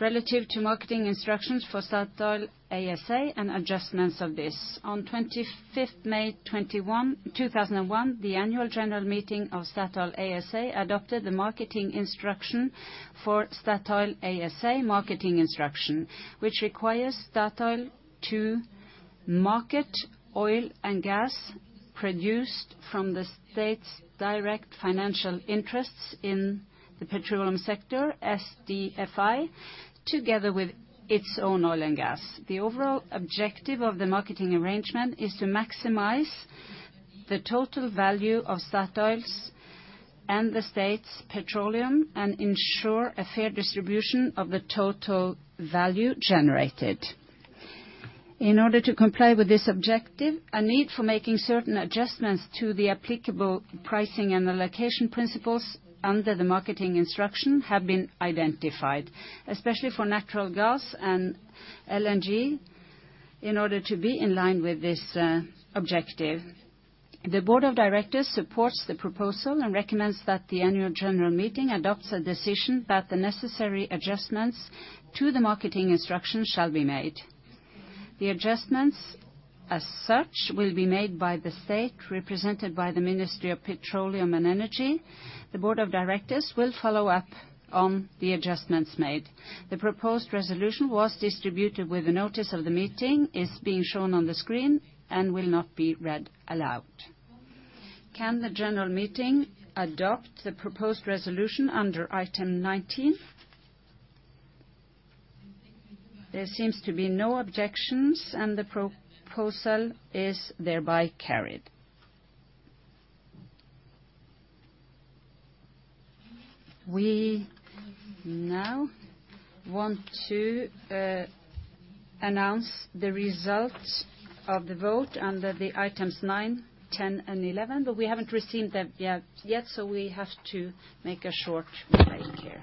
relative to marketing instructions for Statoil ASA and adjustments of this. On 25th May 2001, the Annual General Meeting of Statoil ASA adopted the marketing instruction for Statoil ASA, which requires Statoil to market oil and gas produced from the state's direct financial interests in the petroleum sector, SDFI, together with its own oil and gas. The overall objective of the marketing arrangement is to maximize the total value of Statoil's and the state's petroleum and ensure a fair distribution of the total value generated. In order to comply with this objective, a need for making certain adjustments to the applicable pricing and allocation principles under the marketing instruction have been identified, especially for natural gas and LNG, in order to be in line with this objective. The Board of Directors supports the proposal and recommends that the Annual General Meeting adopts a decision that the necessary adjustments to the marketing instructions shall be made. The adjustments, as such, will be made by the state represented by the Ministry of Petroleum and Energy. The Board of Directors will follow up on the adjustments made. The proposed resolution was distributed with a notice of the meeting, is being shown on the screen and will not be read aloud. Can the General Meeting adopt the proposed resolution under Item 19? There seems to be no objections, and the proposal is thereby carried. We now want to announce the results of the vote under the Items 9, 10, and 11, but we haven't received them yet, so we have to make a short break here.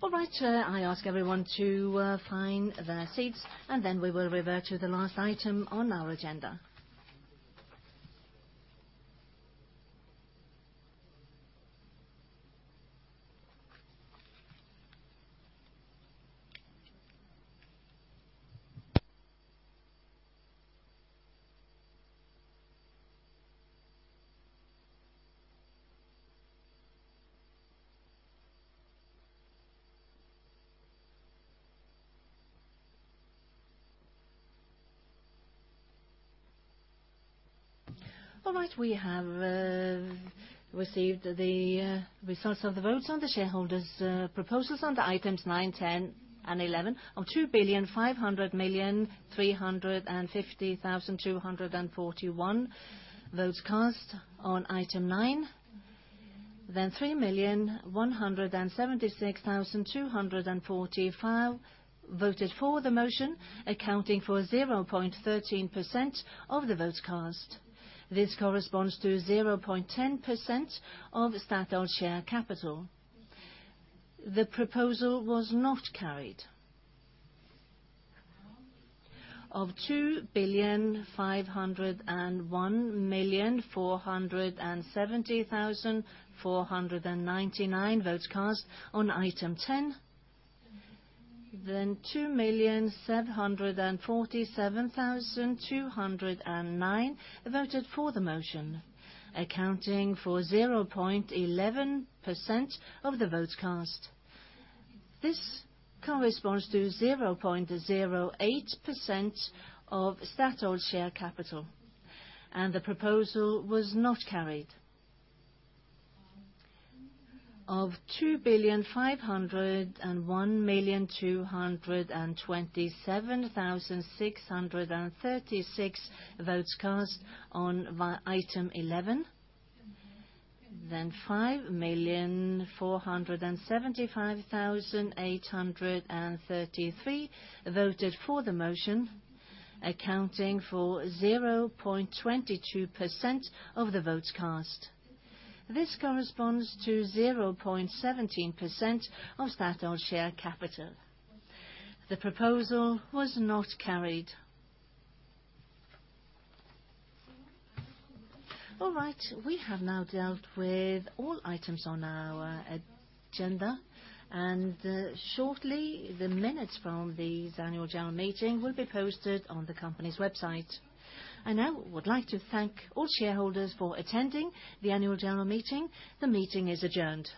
All right. I ask everyone to find their seats, and then we will revert to the last item on our agenda. All right. We have received the results of the votes on the Shareholders' proposals on the Items nine, ten, and eleven. Of 2,500,350,241 votes cast on Item 9, 3,176,245 voted for the motion, accounting for 0.13% of the votes cast. This corresponds to 0.10% of Statoil share capital. The proposal was not carried. Of 2,501,470,499 votes cast on Item 10, then 2,747,209 voted for the motion, accounting for 0.11% of the votes cast. This corresponds to 0.08% of Statoil share capital, and the proposal was not carried. Of 2,501,227,636 votes cast on Item 11, then 5,475,833 voted for the motion, accounting for 0.22% of the votes cast. This corresponds to 0.17% of Statoil share capital. The proposal was not carried. All right. We have now dealt with all Items on our agenda, and shortly the minutes from this Annual General Meeting will be posted on the company's website. I now would like to thank all Shareholders for attending the Annual General Meeting. The meeting is adjourned.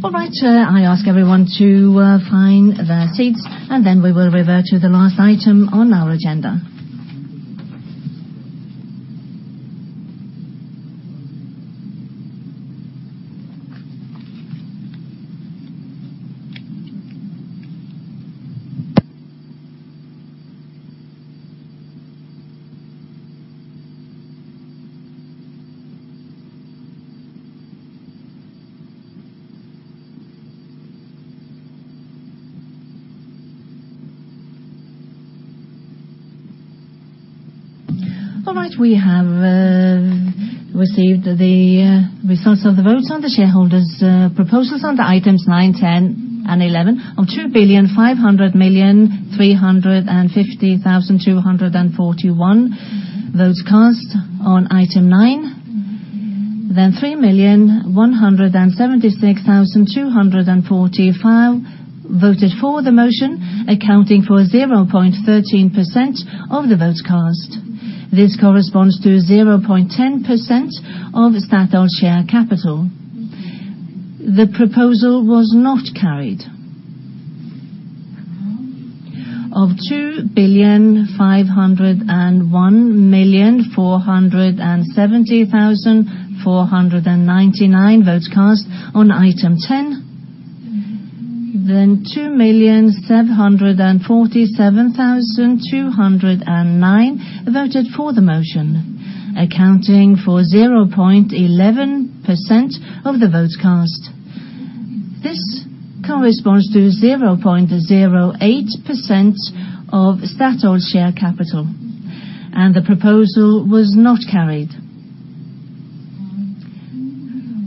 All right, I ask everyone to find their seats, and then we will revert to the last item on our agenda. All right. We have received the results of the votes on the Shareholders proposals on the Items 9, 10, and 11. Of 2,500,350,241 votes cast on Item 9. Then 3,176,245 voted for the motion, accounting for 0.13% of the votes cast. This corresponds to 0.10% of Statoil share capital. The proposal was not carried. Of 2,501,470,499 votes cast on Item 10. 2,747,209 voted for the motion, accounting for 0.11% of the votes cast. This corresponds to 0.08% of Statoil share capital, and the proposal was not carried.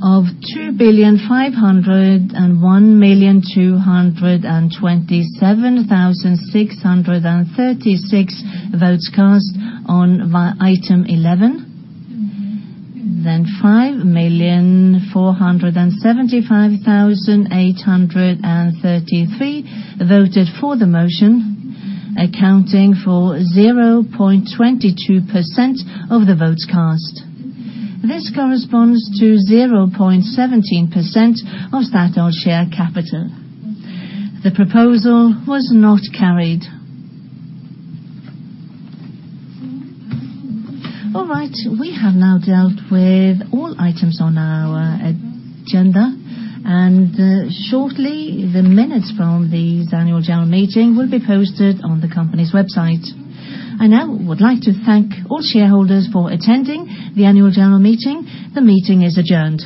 Of 2,501,227,636 votes cast on Item 11. 5,475,833 voted for the motion, accounting for 0.22% of the votes cast. This corresponds to 0.17% of Statoil share capital. The proposal was not carried. All right. We have now dealt with all Items on our agenda, and, shortly, the minutes from this Annual General Meeting will be posted on the company's website. I now would like to thank all Shareholders for attending the Annual General Meeting. The meeting is adjourned.